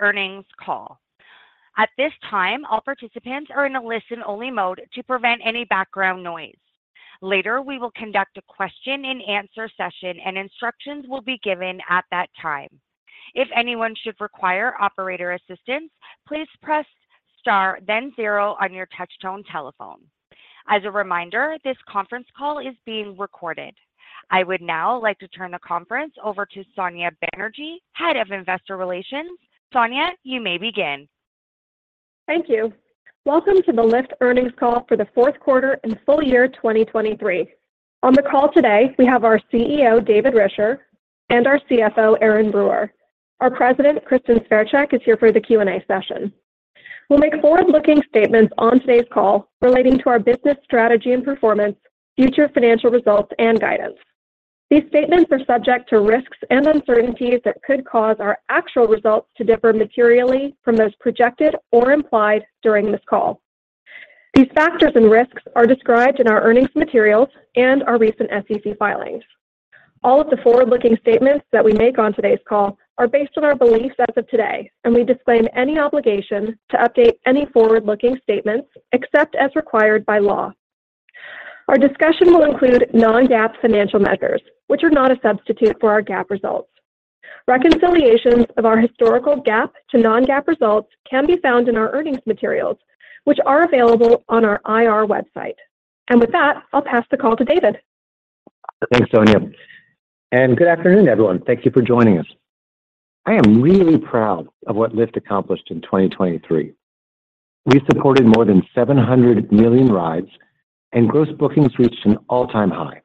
Earnings call. At this time, all participants are in a listen-only mode to prevent any background noise. Later, we will conduct a question-and-answer session, and instructions will be given at that time. If anyone should require operator assistance, please press Star, then zero on your touchtone telephone. As a reminder, this conference call is being recorded. I would now like to turn the conference over to Sonya Banerjee, Head of Investor Relations. Sonya, you may begin. Thank you. Welcome to the Lyft Earnings Call for the fourth quarter and full year 2023. On the call today, we have our CEO, David Risher, and our CFO, Erin Brewer. Our president, Kristin Sverchek, is here for the Q&A session. We'll make forward-looking statements on today's call relating to our business strategy and performance, future financial results, and guidance. These statements are subject to risks and uncertainties that could cause our actual results to differ materially from those projected or implied during this call. These factors and risks are described in our earnings materials and our recent SEC filings. All of the forward-looking statements that we make on today's call are based on our beliefs as of today, and we disclaim any obligation to update any forward-looking statements except as required by law. Our discussion will include non-GAAP financial measures, which are not a substitute for our GAAP results. Reconciliations of our historical GAAP to non-GAAP results can be found in our earnings materials, which are available on our IR website. With that, I'll pass the call to David. Thanks, Sonya, and good afternoon, everyone. Thank you for joining us. I am really proud of what Lyft accomplished in 2023. We supported more than 700 million rides, and gross bookings reached an all-time high.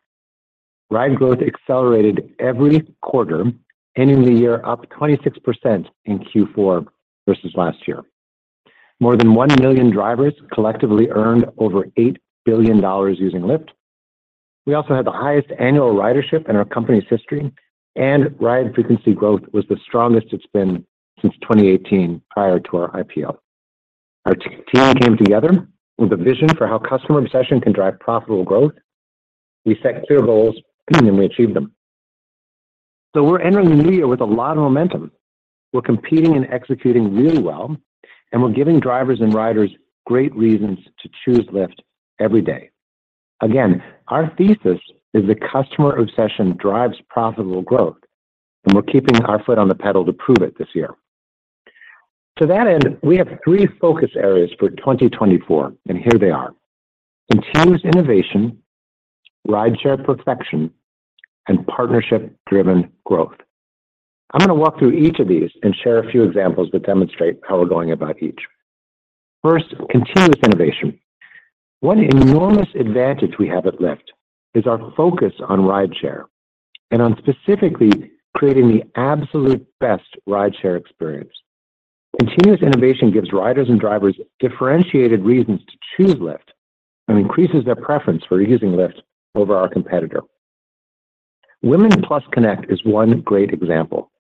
Ride growth accelerated every quarter, ending the year up 26% in Q4 versus last year. More than 1 million drivers collectively earned over $8 billion using Lyft. We also had the highest annual ridership in our company's history, and ride frequency growth was the strongest it's been since 2018, prior to our IPO. Our team came together with a vision for how customer obsession can drive profitable growth. We set clear goals and we achieved them. So we're entering the new year with a lot of momentum. We're competing and executing really well, and we're giving drivers and riders great reasons to choose Lyft every day. Again, our thesis is the customer obsession drives profitable growth, and we're keeping our foot on the pedal to prove it this year. To that end, we have three focus areas for 2024, and here they are: continuous innovation, rideshare perfection, and partnership-driven growth. I'm gonna walk through each of these and share a few examples that demonstrate how we're going about each. First, continuous innovation. One enormous advantage we have at Lyft is our focus on rideshare and on specifically creating the absolute best rideshare experience. Continuous innovation gives riders and drivers differentiated reasons to choose Lyft and increases their preference for using Lyft over our competitor. Women+ Connect is one great example.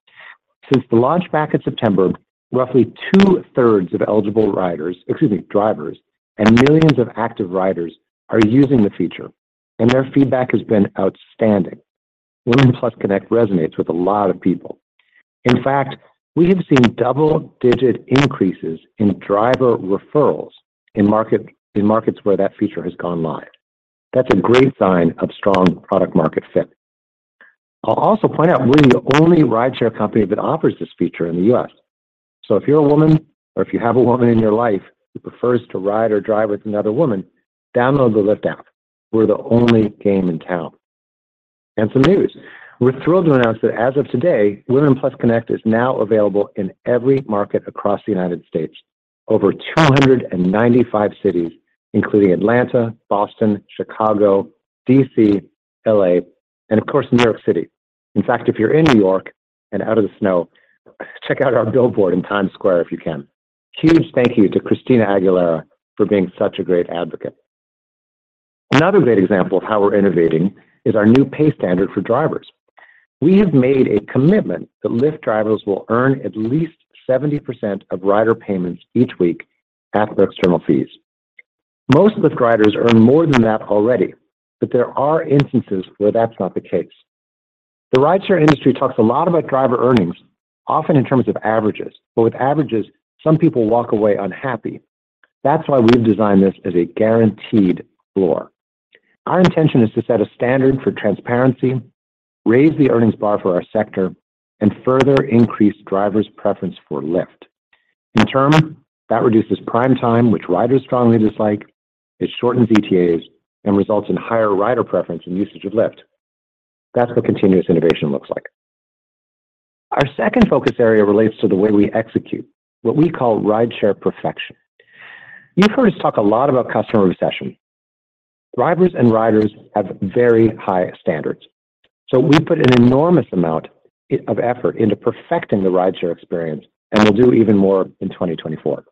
Since the launch back in September, roughly two-thirds of eligible riders, excuse me, drivers, and millions of active riders are using the feature, and their feedback has been outstanding. Women+ Connect resonates with a lot of people. In fact, we have seen double-digit increases in driver referrals in market, in markets where that feature has gone live. That's a great sign of strong product-market fit. I'll also point out we're the only rideshare company that offers this feature in the U.S. So if you're a woman or if you have a woman in your life who prefers to ride or drive with another woman, download the Lyft app. We're the only game in town. And some news: we're thrilled to announce that as of today, Women+ Connect is now available in every market across the United States. Over 295 cities, including Atlanta, Boston, Chicago, D.C., L.A., and of course, New York City. In fact, if you're in New York and out of the snow, check out our billboard in Times Square, if you can. Huge thank you to Christina Aguilera for being such a great advocate. Another great example of how we're innovating is our new pay standard for drivers. We have made a commitment that Lyft drivers will earn at least 70% of rider payments each week after the external fees. Most Lyft riders earn more than that already, but there are instances where that's not the case. The rideshare industry talks a lot about driver earnings, often in terms of averages, but with averages, some people walk away unhappy. That's why we've designed this as a guaranteed floor. Our intention is to set a standard for transparency, raise the earnings bar for our sector, and further increase drivers' preference for Lyft. In turn, that reduces Prime Time, which riders strongly dislike, it shortens ETAs and results in higher rider preference and usage of Lyft. That's what continuous innovation looks like. Our second focus area relates to the way we execute, what we call rideshare perfection. You've heard us talk a lot about customer obsession. Drivers and riders have very high standards, so we put an enormous amount of effort into perfecting the rideshare experience, and we'll do even more in 2024.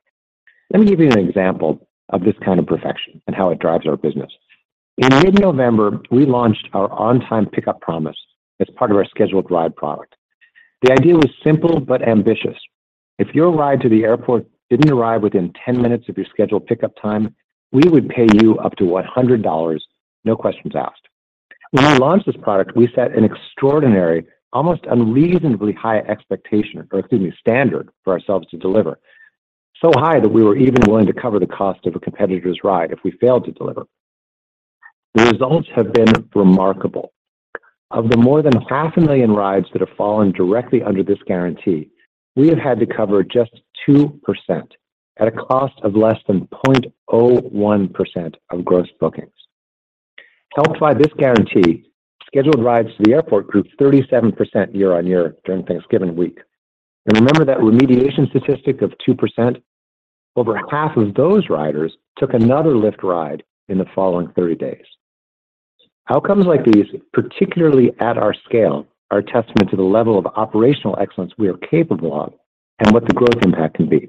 Let me give you an example of this kind of perfection and how it drives our business. In mid-November, we launched our On-Time Pickup Promise as part of our Scheduled Rides product. The idea was simple but ambitious. If your ride to the airport didn't arrive within 10 minutes of your scheduled pickup time, we would pay you up to $100, no questions asked. When we launched this product, we set an extraordinary, almost unreasonably high expectation, or excuse me, standard for ourselves to deliver. So high that we were even willing to cover the cost of a competitor's ride if we failed to deliver. The results have been remarkable. Of the more than 500,000 rides that have fallen directly under this guarantee, we have had to cover just 2% at a cost of less than 0.01% of gross bookings. Helped by this guarantee, scheduled rides to the airport grew 37% year-on-year during Thanksgiving week. Remember that remediation statistic of 2%? Over half of those riders took another Lyft ride in the following 30 days. Outcomes like these, particularly at our scale, are a testament to the level of operational excellence we are capable of and what the growth impact can be.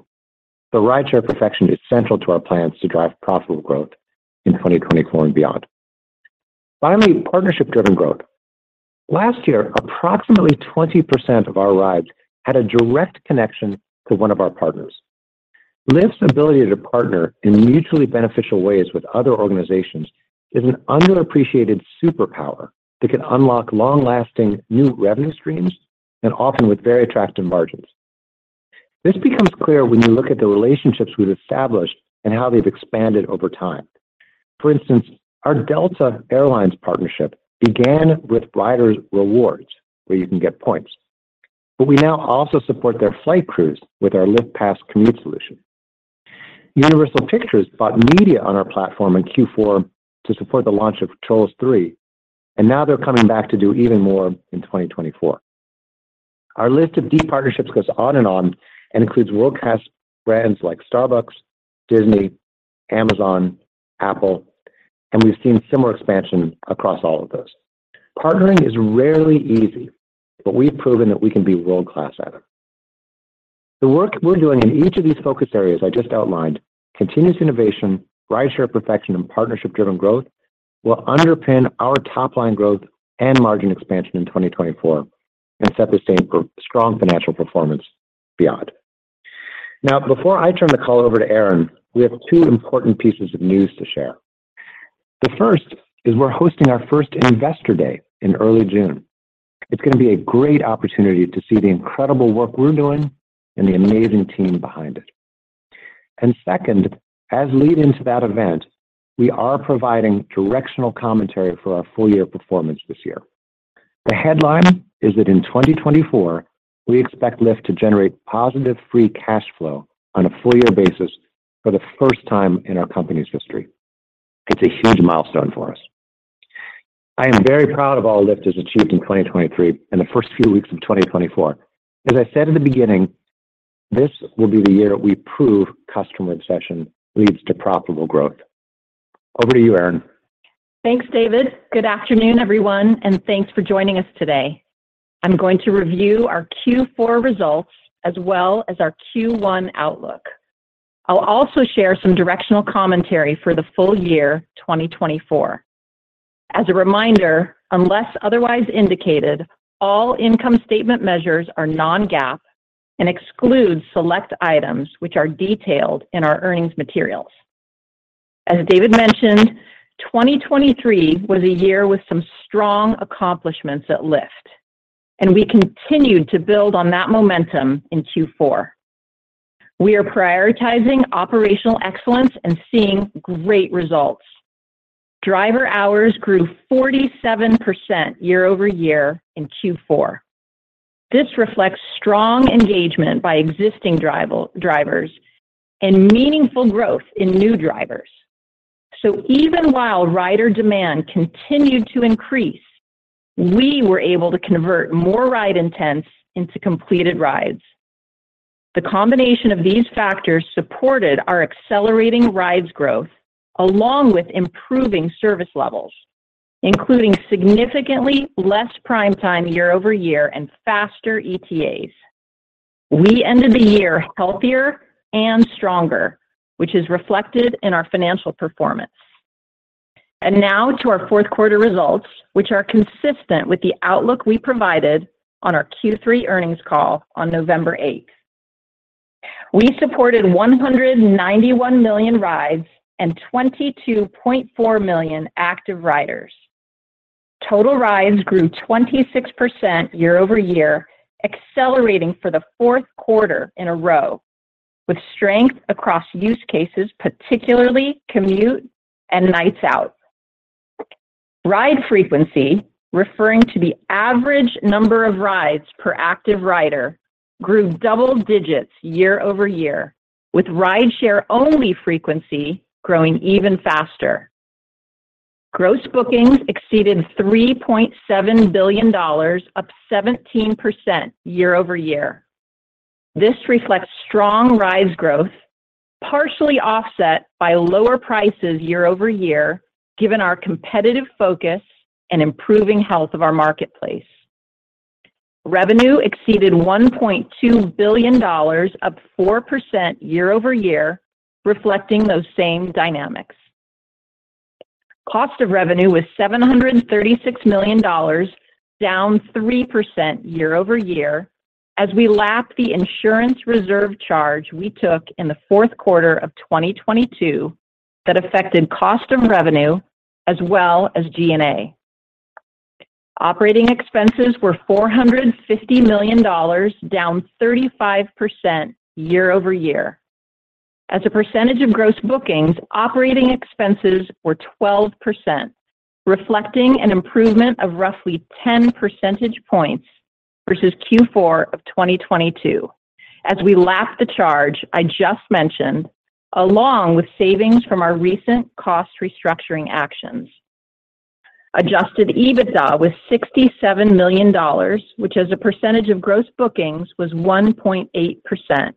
The rideshare perfection is central to our plans to drive profitable growth in 2024 and beyond. Finally, partnership-driven growth. Last year, approximately 20% of our rides had a direct connection to one of our partners. Lyft's ability to partner in mutually beneficial ways with other organizations is an underappreciated superpower that can unlock long-lasting new revenue streams, and often with very attractive margins. This becomes clear when you look at the relationships we've established and how they've expanded over time. For instance, our Delta Air Lines partnership began with riders rewards, where you can get points. But we now also support their flight crews with our Lyft Pass Commute solution. Universal Pictures bought media on our platform in Q4 to support the launch of Trolls 3, and now they're coming back to do even more in 2024. Our list of deep partnerships goes on and on, and includes world-class brands like Starbucks, Disney, Amazon, Apple, and we've seen similar expansion across all of those. Partnering is rarely easy, but we've proven that we can be world-class at it. The work we're doing in each of these focus areas I just outlined, continuous innovation, rideshare perfection, and partnership-driven growth, will underpin our top-line growth and margin expansion in 2024 and set the stage for strong financial performance beyond. Now, before I turn the call over to Erin, we have two important pieces of news to share. The first is we're hosting our first Investor Day in early June. It's gonna be a great opportunity to see the incredible work we're doing and the amazing team behind it. And second, as lead-in to that event, we are providing directional commentary for our full year performance this year. The headline is that in 2024, we expect Lyft to generate positive free cash flow on a full year basis for the first time in our company's history. It's a huge milestone for us. I am very proud of all Lyft has achieved in 2023 and the first few weeks of 2024. As I said in the beginning, this will be the year that we prove customer obsession leads to profitable growth. Over to you, Erin. Thanks, David. Good afternoon, everyone, and thanks for joining us today. I'm going to review our Q4 results as well as our Q1 outlook. I'll also share some directional commentary for the full year 2024. As a reminder, unless otherwise indicated, all income statement measures are non-GAAP and exclude select items which are detailed in our earnings materials. As David mentioned, 2023 was a year with some strong accomplishments at Lyft, and we continued to build on that momentum in Q4. We are prioritizing operational excellence and seeing great results. Driver Hours grew 47% year-over-year in Q4. This reflects strong engagement by existing driver, drivers and meaningful growth in new drivers. So even while rider demand continued to increase, we were able to convert more ride intents into completed rides. The combination of these factors supported our accelerating rides growth, along with improving service levels, including significantly less Prime Time year-over-year and faster ETAs. We ended the year healthier and stronger, which is reflected in our financial performance. Now to our fourth quarter results, which are consistent with the outlook we provided on our Q3 earnings call on November eighth. We supported 191 million rides and 22.4 million active riders. Total rides grew 26% year-over-year, accelerating for the fourth quarter in a row, with strength across use cases, particularly commute and nights out. Ride frequency, referring to the average number of rides per active rider, grew double digits year-over-year, with rideshare-only frequency growing even faster. Gross bookings exceeded $3.7 billion, up 17% year-over-year. This reflects strong rides growth, partially offset by lower prices year-over-year, given our competitive focus and improving health of our marketplace. Revenue exceeded $1.2 billion, up 4% year-over-year, reflecting those same dynamics. Cost of revenue was $736 million, down 3% year-over-year. As we lap the insurance reserve charge we took in the fourth quarter of 2022, that affected cost of revenue as well as G&A. Operating expenses were $450 million, down 35% year-over-year. As a percentage of gross bookings, operating expenses were 12%, reflecting an improvement of roughly 10 percentage points versus Q4 of 2022. As we lap the charge I just mentioned, along with savings from our recent cost restructuring actions. Adjusted EBITDA was $67 million, which as a percentage of gross bookings, was 1.8%.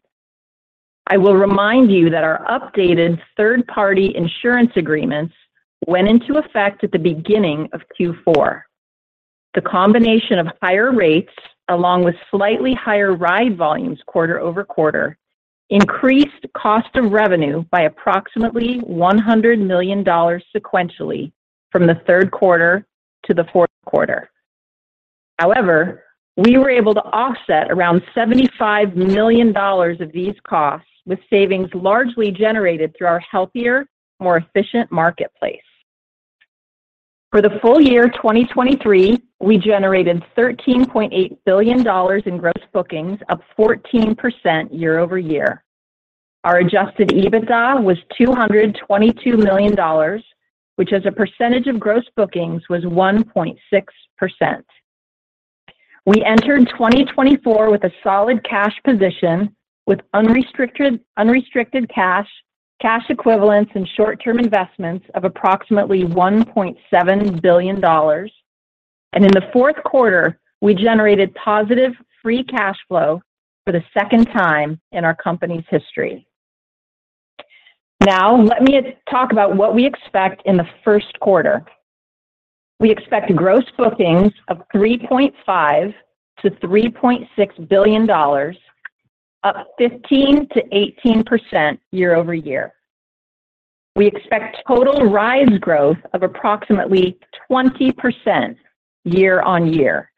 I will remind you that our updated third-party insurance agreements went into effect at the beginning of Q4. The combination of higher rates, along with slightly higher ride volumes quarter-over-quarter, increased cost of revenue by approximately $100 million sequentially from the third quarter to the fourth quarter. However, we were able to offset around $75 million of these costs, with savings largely generated through our healthier, more efficient marketplace. For the full year 2023, we generated $13.8 billion in gross bookings, up 14% year-over-year. Our adjusted EBITDA was $222 million, which as a percentage of gross bookings, was 1.6%. We entered 2024 with a solid cash position, with unrestricted cash, cash equivalents and short-term investments of approximately $1.7 billion. In the fourth quarter, we generated positive free cash flow for the second time in our company's history. Now, let me talk about what we expect in the first quarter. We expect gross bookings of $3.5-$3.6 billion, up 15%-18% year-over-year. We expect total ride growth of approximately 20% year-over-year.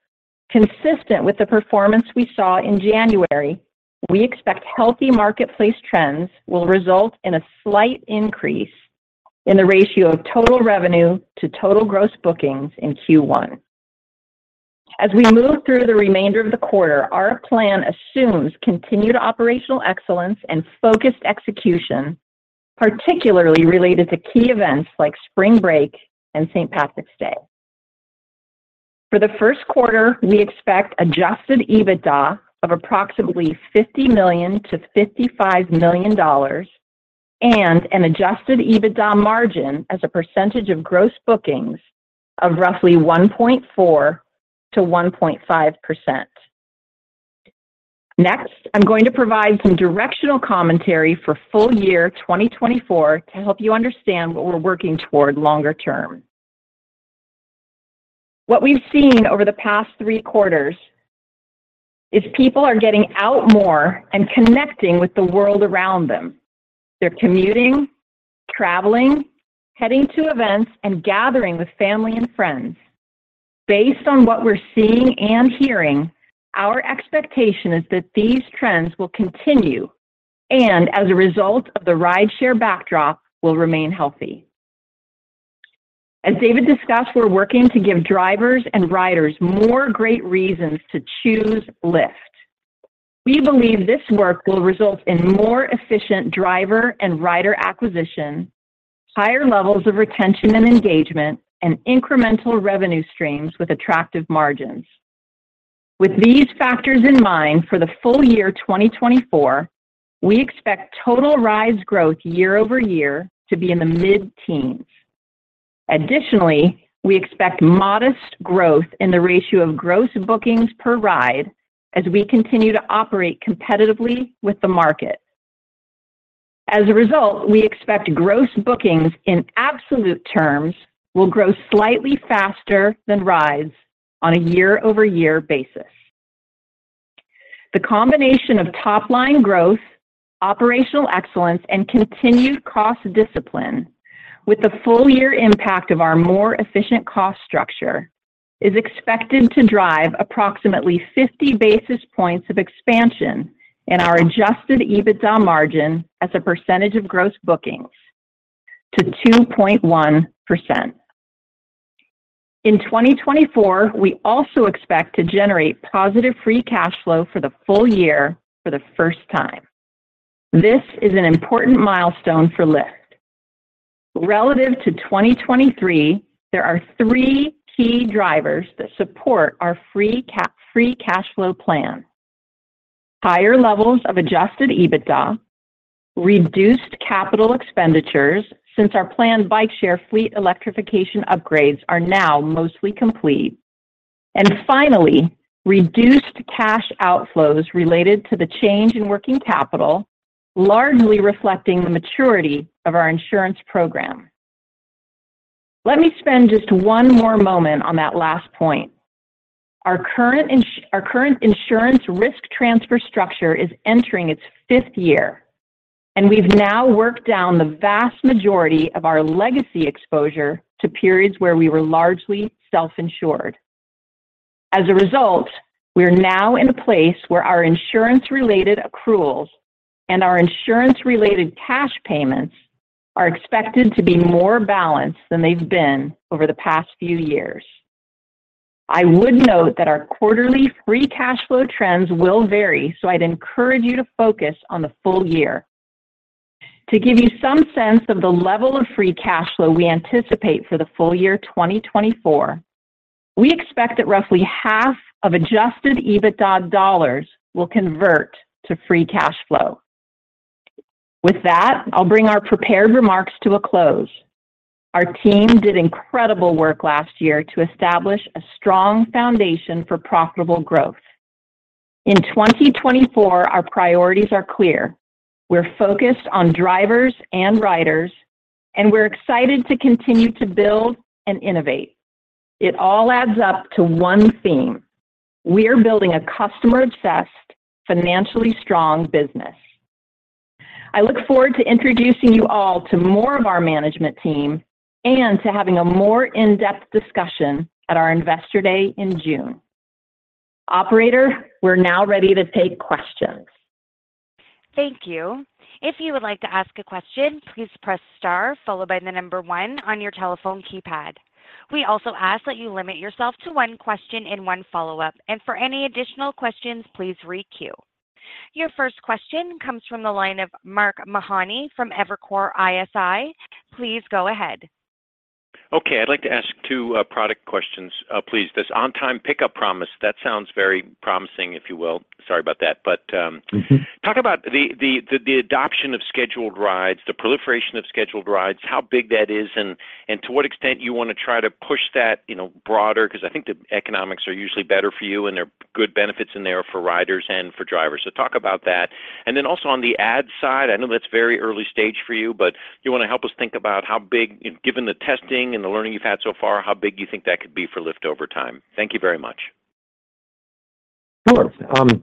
Consistent with the performance we saw in January, we expect healthy marketplace trends will result in a slight increase in the ratio of total revenue to total gross bookings in Q1. As we move through the remainder of the quarter, our plan assumes continued operational excellence and focused execution, particularly related to key events like Spring Break and St. Patrick's Day. For the first quarter, we expect Adjusted EBITDA of approximately $50 million-$55 million, and an Adjusted EBITDA margin as a percentage of gross bookings of roughly 1.4%-1.5%. Next, I'm going to provide some directional commentary for full year 2024, to help you understand what we're working toward longer term. What we've seen over the past three quarters is people are getting out more and connecting with the world around them. They're commuting, traveling, heading to events, and gathering with family and friends. Based on what we're seeing and hearing, our expectation is that these trends will continue, and as a result of the rideshare backdrop, will remain healthy. As David discussed, we're working to give drivers and riders more great reasons to choose Lyft. We believe this work will result in more efficient driver and rider acquisition, higher levels of retention and engagement, and incremental revenue streams with attractive margins. With these factors in mind, for the full year 2024, we expect total rides growth year-over-year to be in the mid-teens. Additionally, we expect modest growth in the ratio of gross bookings per ride as we continue to operate competitively with the market. As a result, we expect gross bookings in absolute terms will grow slightly faster than rides on a year-over-year basis. The combination of top-line growth, operational excellence, and continued cost discipline, with the full year impact of our more efficient cost structure, is expected to drive approximately 50 basis points of expansion in our Adjusted EBITDA margin as a percentage of gross bookings to 2.1%. In 2024, we also expect to generate positive free cash flow for the full year for the first time. This is an important milestone for Lyft. Relative to 2023, there are three key drivers that support our free cash flow plan: higher levels of Adjusted EBITDA, reduced capital expenditures since our planned bike share fleet electrification upgrades are now mostly complete, and finally, reduced cash outflows related to the change in working capital, largely reflecting the maturity of our insurance program. Let me spend just one more moment on that last point. Our current insurance risk transfer structure is entering its fifth year and we've now worked down the vast majority of our legacy exposure to periods where we were largely self-insured. As a result, we're now in a place where our insurance-related accruals and our insurance-related cash payments are expected to be more balanced than they've been over the past few years. I would note that our quarterly free cash flow trends will vary, so I'd encourage you to focus on the full year. To give you some sense of the level of free cash flow we anticipate for the full year 2024, we expect that roughly half of Adjusted EBITDA dollars will convert to free cash flow. With that, I'll bring our prepared remarks to a close. Our team did incredible work last year to establish a strong foundation for profitable growth. In 2024, our priorities are clear. We're focused on drivers and riders, and we're excited to continue to build and innovate. It all adds up to one theme: We are building a customer-obsessed, financially strong business. I look forward to introducing you all to more of our management team and to having a more in-depth discussion at our Investor Day in June. Operator, we're now ready to take questions. Thank you. If you would like to ask a question, please press star followed by the number one on your telephone keypad. We also ask that you limit yourself to one question and one follow-up, and for any additional questions, please re queue. Your first question comes from the line of Mark Mahaney from Evercore ISI. Please go ahead. Okay, I'd like to ask two product questions. Please, this On-Time Pickup Promise, that sounds very promising, if you will. Sorry about that, but- Mm-hmm. Talk about the adoption of scheduled rides, the proliferation of scheduled rides, how big that is, and to what extent you want to try to push that, you know, broader because I think the economics are usually better for you, and there are good benefits in there for riders and for drivers. So talk about that. And then also on the ad side, I know that's very early stage for you, but do you want to help us think about how big, given the testing and the learning you've had so far, how big you think that could be for Lyft over time? Thank you very much. Sure.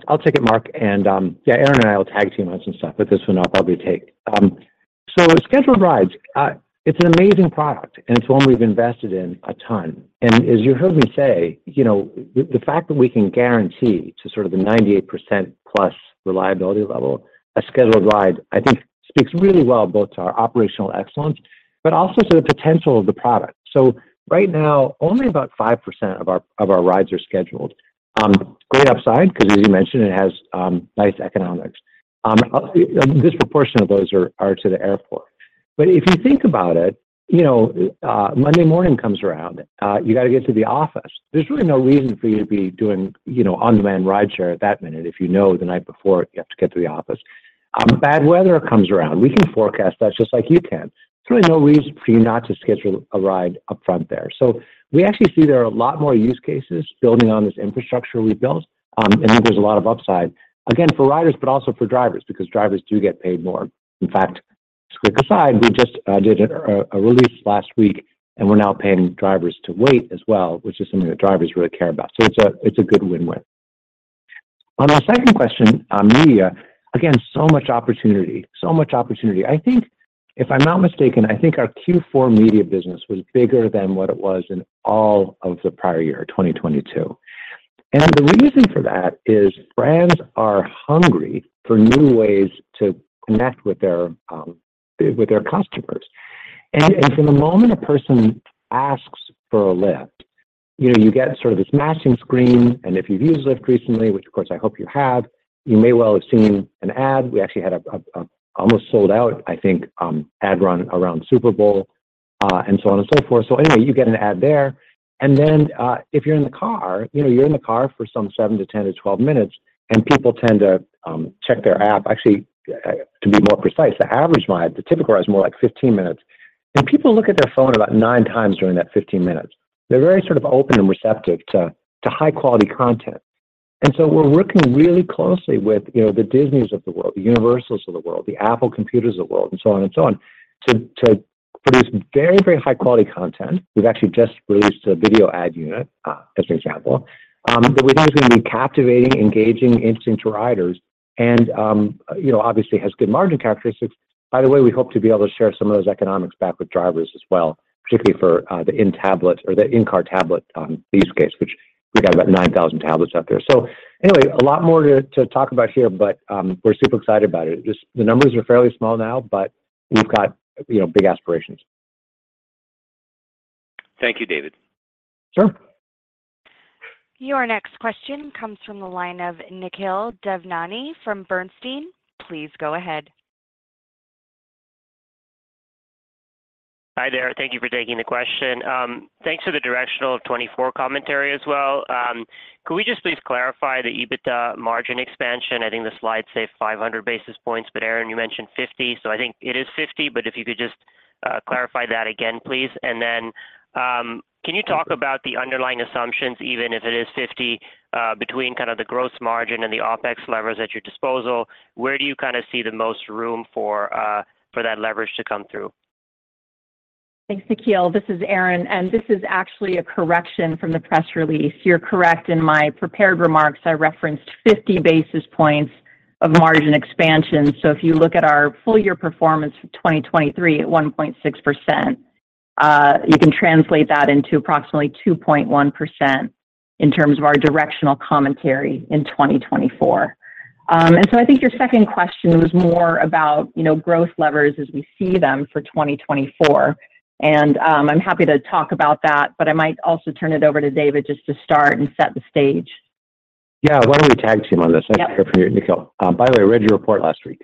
I'll take it, Mark, and, yeah, Erin and I will tag team on some stuff, but this one I'll probably take. So Scheduled Rides, it's an amazing product, and it's one we've invested in a ton. And as you heard me say, you know, the fact that we can guarantee to sort of the 98%+ reliability level, a Scheduled Ride, I think speaks really well both to our operational excellence, but also to the potential of the product. So right now, only about 5% of our rides are scheduled. Great upside, because as you mentioned, it has nice economics. A disproportionate of those are to the airport. But if you think about it, you know, Monday morning comes around, you got to get to the office. There's really no reason for you to be doing, you know, on-demand rideshare at that minute if you know the night before you have to get to the office. Bad weather comes around. We can forecast that just like you can. There's really no reason for you not to schedule a ride upfront there. So we actually see there are a lot more use cases building on this infrastructure we've built, and think there's a lot of upside, again, for riders, but also for drivers, because drivers do get paid more. In fact, quick aside, we just did a release last week, and we're now paying drivers to wait as well, which is something that drivers really care about. So it's a good win-win. On our second question, on media, again, so much opportunity. So much opportunity. I think if I'm not mistaken, I think our Q4 media business was bigger than what it was in all of the prior year, 2022. The reason for that is brands are hungry for new ways to connect with their with their customers. From the moment a person asks for a Lyft, you know, you get sort of this matching screen, and if you've used Lyft recently, which of course I hope you have, you may well have seen an ad. We actually had a almost sold out, I think, ad run around Super Bowl and so on and so forth. Anyway, you get an ad there, and then if you're in the car, you know, you're in the car for some seven to 10 to 12 minutes, and people tend to check their app. Actually, to be more precise, the average ride, the typical ride is more like 15 minutes, and people look at their phone about 9x during that 15 minutes. They're very sort of open and receptive to, to high-quality content, and so we're working really closely with, you know, the Disneys of the world, the Universals of the world, the Apple Computers of the world, and so on and so on, to, to produce very, very high-quality content. We've actually just released a video ad unit, as an example. But we think is going to be captivating, engaging, interesting to riders and, you know, obviously has good margin characteristics. By the way, we hope to be able to share some of those economics back with drivers as well, particularly for the in-tablet or the in-car tablet use case, which we've got about 9,000 tablets out there. So anyway, a lot more to talk about here, but we're super excited about it. Just the numbers are fairly small now, but we've got, you know, big aspirations. Thank you, David. Sure. Your next question comes from the line of Nikhil Devnani from Bernstein. Please go ahead. Hi there. Thank you for taking the question. Thanks for the directional of 2024 commentary as well. Could we just please clarify the EBITDA margin expansion? I think the slide said 500 basis points, but Erin, you mentioned 50, so I think it is 50, but if you could just clarify that again, please. And then, can you talk about the underlying assumptions, even if it is 50, between kind of the gross margin and the OpEx levers at your disposal, where do you kind of see the most room for that leverage to come through? Thanks, Nikhil. This is Erin, and this is actually a correction from the press release. You're correct. In my prepared remarks, I referenced 50 basis points of margin expansion. So if you look at our full year performance for 2023 at 1.6%, you can translate that into approximately 2.1% in terms of our directional commentary in 2024. And so I think your second question was more about, you know, growth levers as we see them for 2024. And, I'm happy to talk about that, but I might also turn it over to David just to start and set the stage. Yeah, why don't we tag team on this? Yep. I hear from you, Nikhil. By the way, I read your report last week.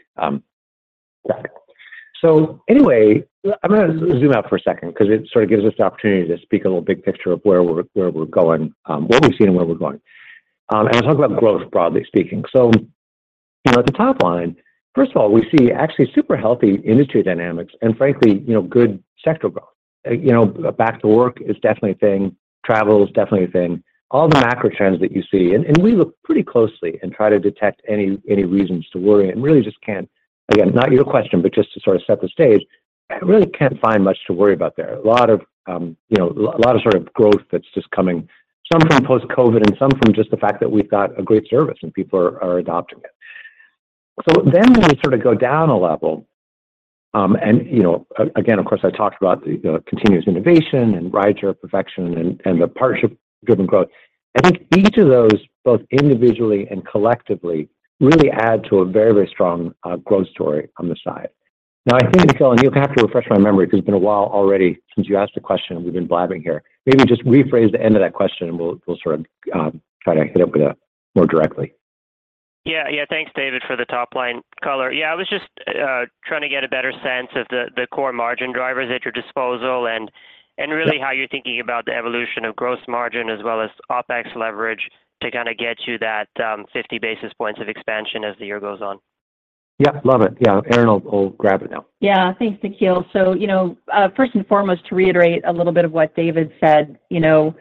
So anyway, I'm gonna zoom out for a second because it sort of gives us the opportunity to speak a little big picture of where we're, where we're going, what we've seen and where we're going. And we'll talk about growth, broadly speaking. So, you know, at the top line, first of all, we see actually super healthy industry dynamics and frankly, you know, good sector growth. You know, back to work is definitely a thing, travel is definitely a thing. All the macro trends that you see, and, and we look pretty closely and try to detect any, any reasons to worry and really just can't. Again, not your question, but just to sort of set the stage, I really can't find much to worry about there. A lot of, you know, a lot of sort of growth that's just coming, some from post-COVID and some from just the fact that we've got a great service and people are adopting it. So then when we sort of go down a level, and, you know, again, of course, I talked about the continuous innovation and rideshare perfection and the partnership-driven growth. I think each of those, both individually and collectively, really add to a very, very strong growth story on the side. Now, I think, Nikhil, and you'll have to refresh my memory because it's been a while already since you asked the question and we've been blabbing here. Maybe just rephrase the end of that question, and we'll sort of try to hit it up with a more directly. Yeah. Yeah. Thanks, David, for the top-line color. Yeah, I was just trying to get a better sense of the core margin drivers at your disposal and really how you're thinking about the evolution of gross margin as well as OpEx leverage to kind of get to that 50 basis points of expansion as the year goes on. Yeah, love it. Yeah, Erin will grab it now. Yeah. Thanks, Nikhil. So, you know, first and foremost, to reiterate a little bit of what David said, you know,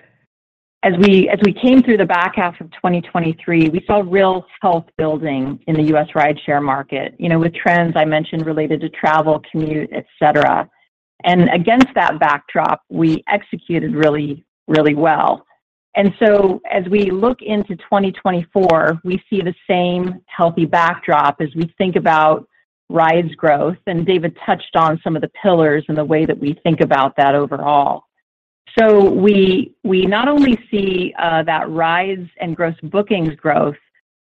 as we, as we came through the back half of 2023, we saw real health building in the U.S. rideshare market, you know, with trends I mentioned related to travel, commute, et cetera. And against that backdrop, we executed really, really well. And so as we look into 2024, we see the same healthy backdrop as we think about rides growth, and David touched on some of the pillars and the way that we think about that overall. So we, we not only see that rides and gross bookings growth,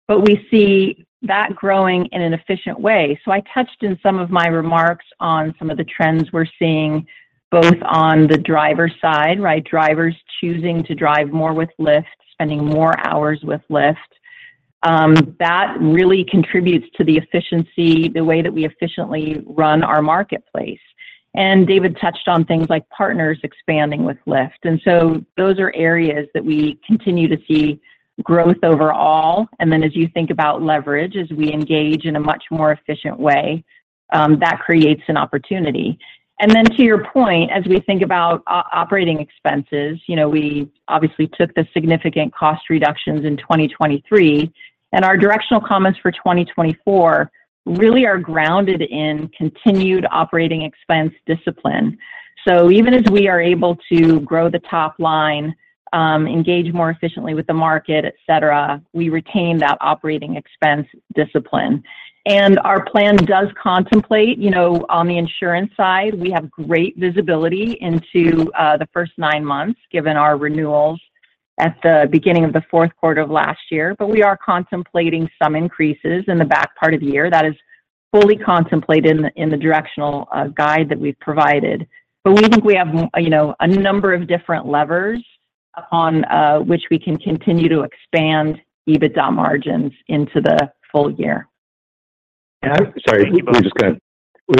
but we see that growing in an efficient way. So I touched in some of my remarks on some of the trends we're seeing, both on the driver side, right? Drivers choosing to drive more with Lyft, spending more hours with Lyft. That really contributes to the efficiency, the way that we efficiently run our marketplace. David touched on things like partners expanding with Lyft, and so those are areas that we continue to see growth overall. Then as you think about leverage, as we engage in a much more efficient way, that creates an opportunity. Then to your point, as we think about operating expenses, you know, we obviously took the significant cost reductions in 2023, and our directional comments for 2024 really are grounded in continued operating expense discipline. So even as we are able to grow the top line, engage more efficiently with the market, et cetera, we retain that operating expense discipline. Our plan does contemplate, you know, on the insurance side, we have great visibility into the first nine months, given our renewals at the beginning of the fourth quarter of last year. But we are contemplating some increases in the back part of the year. That is fully contemplated in the directional guide that we've provided. But we think we have, you know, a number of different levers upon which we can continue to expand EBITDA margins into the full year. Sorry, we just got-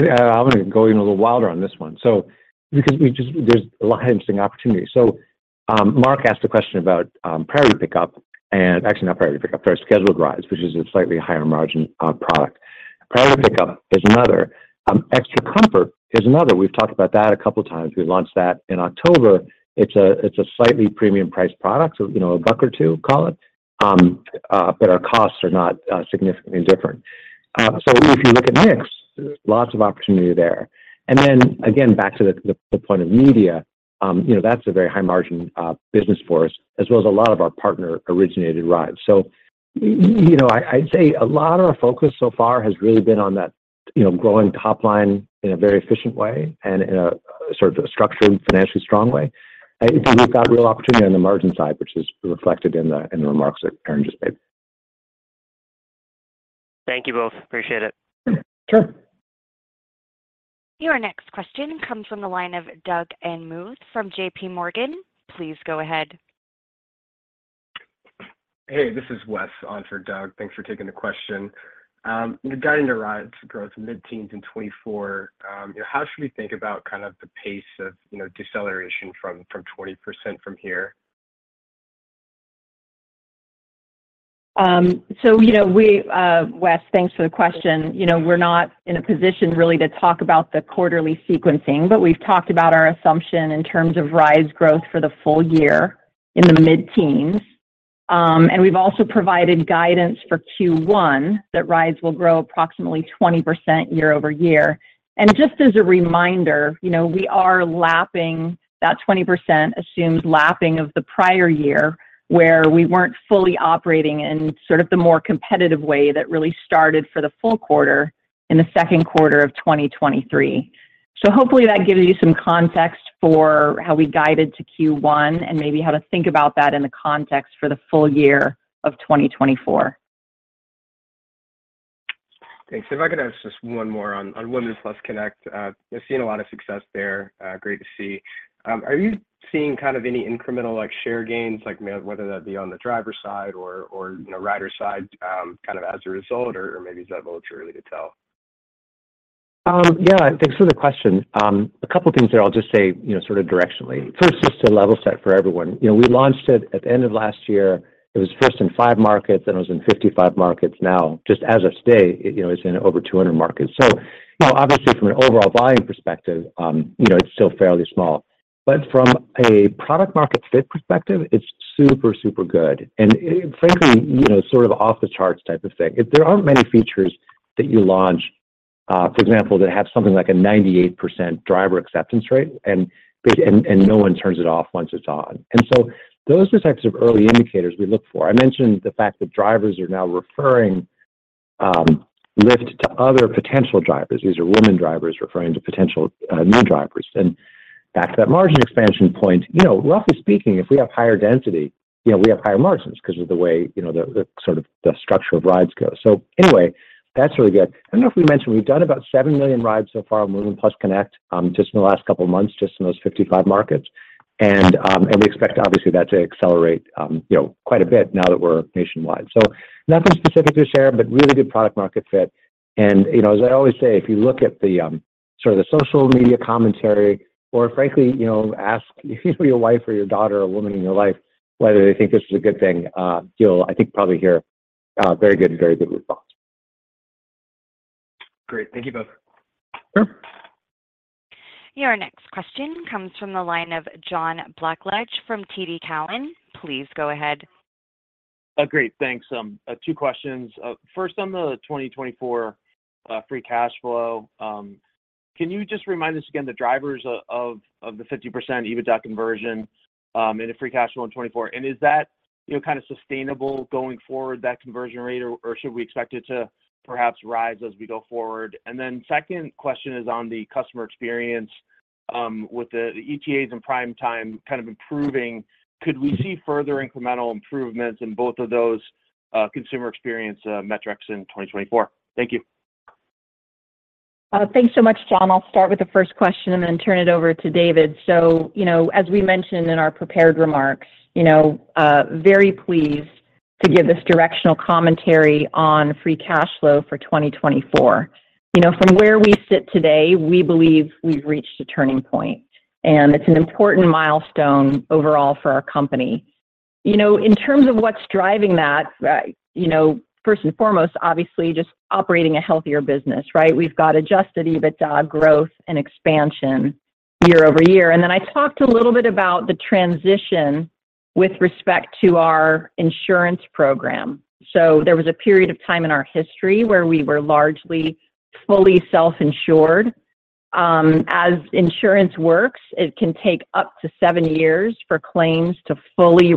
I'm going to go in a little wilder on this one. So because there's a lot of interesting opportunities. So, Mark asked a question about, Priority Pickup, and actually not Priority Pickup, Priority Scheduled Rides, which is a slightly higher margin, product. Priority Pickup is another, Extra Comfort is another. We've talked about that a couple of times. We launched that in October. It's a, it's a slightly premium priced product, so, you know, $1 or $2, call it. But our costs are not, significantly different. So if you look at mix, there's lots of opportunity there. And then again, back to the point of media, you know, that's a very high margin, business for us, as well as a lot of our partner-originated rides. So, you know, I, I'd say a lot of our focus so far has really been on that, you know, growing top line in a very efficient way and in a sort of a structured and financially strong way. We've got real opportunity on the margin side, which is reflected in the, in the remarks that Erin just made. Thank you both. Appreciate it. Sure. Your next question comes from the line of Doug Anmuth from JPMorgan. Please go ahead. Hey, this is Wes on for Doug. Thanks for taking the question. Guiding the rides growth mid-teens in 2024, how should we think about kind of the pace of, you know, deceleration from 20% from here? So, you know, Wes, thanks for the question. You know, we're not in a position really to talk about the quarterly sequencing, but we've talked about our assumption in terms of rides growth for the full year in the mid-teens, and we've also provided guidance for Q1, that rides will grow approximately 20% year-over-year. And just as a reminder, you know, we are lapping that 20% assumes lapping of the prior year, where we weren't fully operating in sort of the more competitive way that really started for the full quarter in the second quarter of 2023. So hopefully that gives you some context for how we guided to Q1, and maybe how to think about that in the context for the full year of 2024. Thanks. If I could ask just one more on Women+ Connect. We've seen a lot of success there, great to see. Are you seeing kind of any incremental, like, share gains? Like, whether that be on the driver side or, or, you know, rider side, kind of as a result, or, or maybe is that a little too early to tell? Yeah, thanks for the question. A couple things there I'll just say, you know, sort of directionally. First, just to level set for everyone, you know, we launched it at the end of last year. It was first in five markets, then it was in 55 markets. Now, just as of today, it, you know, it's in over 200 markets. So, you know, obviously, from an overall volume perspective, you know, it's still fairly small. But from a product market fit perspective, it's super, super good, and, and, frankly, you know, sort of off the charts type of thing. There aren't many features that you launch, for example, that have something like a 98% driver acceptance rate, and, and, and no one turns it off once it's on. And so those are the types of early indicators we look for. I mentioned the fact that drivers are now referring Lyft to other potential drivers. These are women drivers referring to potential new drivers. And back to that margin expansion point, you know, roughly speaking, if we have higher density, you know, we have higher margins because of the way, you know, the sort of the structure of rides go. So anyway, that's really good. I don't know if we mentioned we've done about 7 million rides so far on Women+ Connect, just in the last couple of months, just in those 55 markets. And we expect obviously that to accelerate, you know, quite a bit now that we're nationwide. So nothing specific to share, but really good product market fit. You know, as I always say, if you look at the sort of the social media commentary or frankly, you know, ask your wife or your daughter or a woman in your life whether they think this is a good thing, you'll, I think, probably hear very good, very good response. Great. Thank you both. Sure. Your next question comes from the line of John Blackledge from TD Cowen. Please go ahead. Great, thanks. Two questions. First, on the 2024, free cash flow, can you just remind us again the drivers of the 50% EBITDA conversion, in the free cash flow in 2024? And is that, you know, kind of sustainable going forward, that conversion rate, or should we expect it to perhaps rise as we go forward? And then second question is on the customer experience, with the ETAs and Prime Time kind of improving, could we see further incremental improvements in both of those, consumer experience metrics in 2024? Thank you. Thanks so much, John. I'll start with the first question and then turn it over to David. As we mentioned in our prepared remarks, you know, very pleased to give this directional commentary on free cash flow for 2024. You know, from where we sit today, we believe we've reached a turning point, and it's an important milestone overall for our company. You know, in terms of what's driving that, you know, first and foremost, obviously, just operating a healthier business, right? We've got Adjusted EBITDA growth and expansion year-over-year. Then I talked a little bit about the transition with respect to our insurance program. There was a period of time in our history where we were largely fully self-insured. As insurance works, it can take up to seven years for claims to fully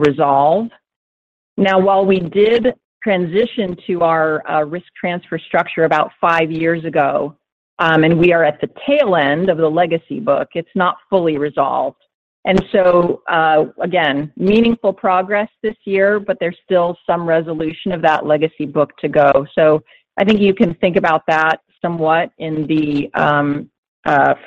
resolve. Now, while we did transition to our, risk transfer structure about five years ago, and we are at the tail end of the legacy book, it's not fully resolved. And so, again, meaningful progress this year, but there's still some resolution of that legacy book to go. So I think you can think about that somewhat in the,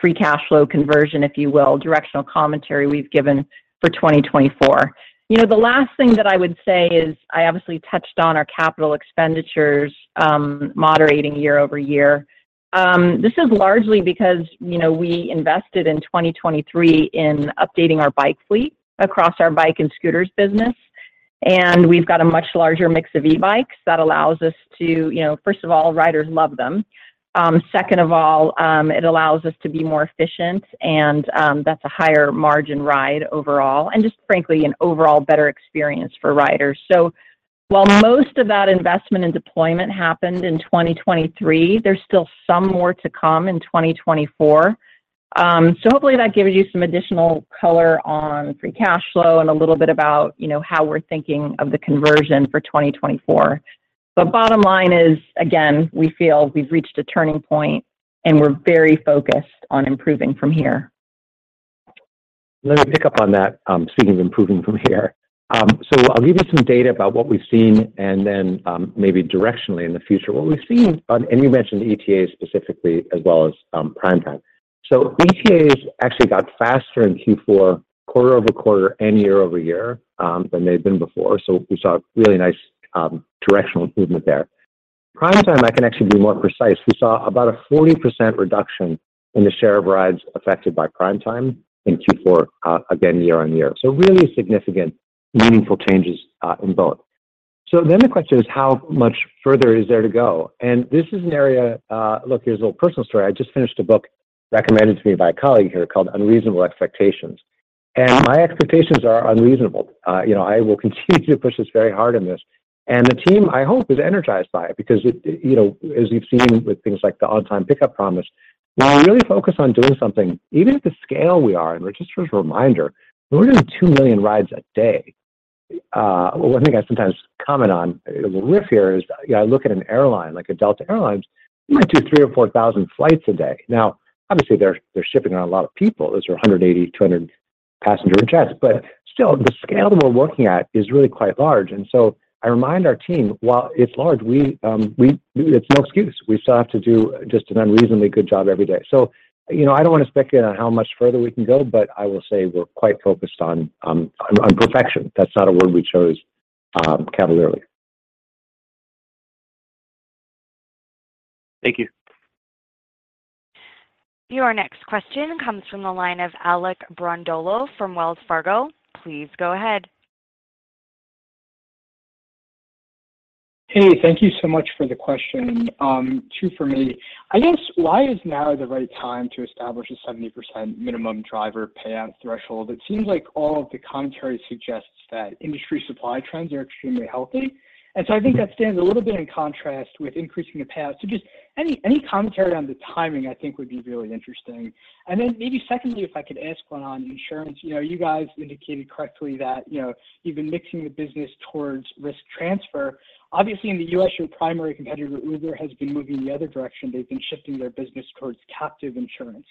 free cash flow conversion, if you will, directional commentary we've given for 2024. You know, the last thing that I would say is, I obviously touched on our capital expenditures, moderating year over year. This is largely because, you know, we invested in 2023 in updating our bike fleet across our bike and scooters business, and we've got a much larger mix of e-bikes that allows us to... You know, first of all, riders love them. Second of all, it allows us to be more efficient, and that's a higher margin ride overall, and just frankly, an overall better experience for riders. So while most of that investment and deployment happened in 2023, there's still some more to come in 2024. So hopefully that gives you some additional color on free cash flow and a little bit about, you know, how we're thinking of the conversion for 2024. But bottom line is, again, we feel we've reached a turning point, and we're very focused on improving from here. Let me pick up on that, speaking of improving from here. So I'll give you some data about what we've seen and then, maybe directionally in the future. What we've seen on, and you mentioned ETA specifically as well as, prime time. So ETAs actually got faster in Q4, quarter-over-quarter and year-over-year, than they've been before. So we saw a really nice, directional improvement there. Prime Time, I can actually be more precise. We saw about a 40% reduction in the share of rides affected by Prime Time in Q4, again, year-over-year. So really significant, meaningful changes, in both. So then the question is: how much further is there to go? And this is an area, look, here's a little personal story. I just finished a book recommended to me by a colleague here called Unreasonable Expectations, and my expectations are unreasonable. You know, I will continue to push us very hard in this, and the team, I hope, is energized by it because it, you know, as we've seen with things like the On-Time Pickup Promise, when we really focus on doing something, even at the scale we are, and just as a reminder, we're doing 2 million rides a day. One thing I sometimes comment on, a riff here is, you know, I look at an airline like Delta Air Lines, you might do 3,000 or 4,000 flights a day. Now, obviously, they're, they're shipping out a lot of people. Those are 180, 200 passenger jets, but still, the scale that we're working at is really quite large. I remind our team, while it's large, we, it's no excuse. We still have to do just an unreasonably good job every day. You know, I don't want to speculate on how much further we can go, but I will say we're quite focused on perfection. That's not a word we chose cavalierly. Thank you. Your next question comes from the line of Alec Brondolo from Wells Fargo. Please go ahead. Hey, thank you so much for the question. Two for me. I guess, why is now the right time to establish a 70% minimum driver payout threshold? It seems like all of the commentary suggests that industry supply trends are extremely healthy, and so I think that stands a little bit in contrast with increasing the payout. So just any, any commentary on the timing, I think, would be really interesting. And then maybe secondly, if I could ask one on insurance. You know, you guys indicated correctly that, you know, you've been mixing the business towards risk transfer. Obviously, in the U.S., your primary competitor, Uber, has been moving in the other direction. They've been shifting their business towards captive insurance.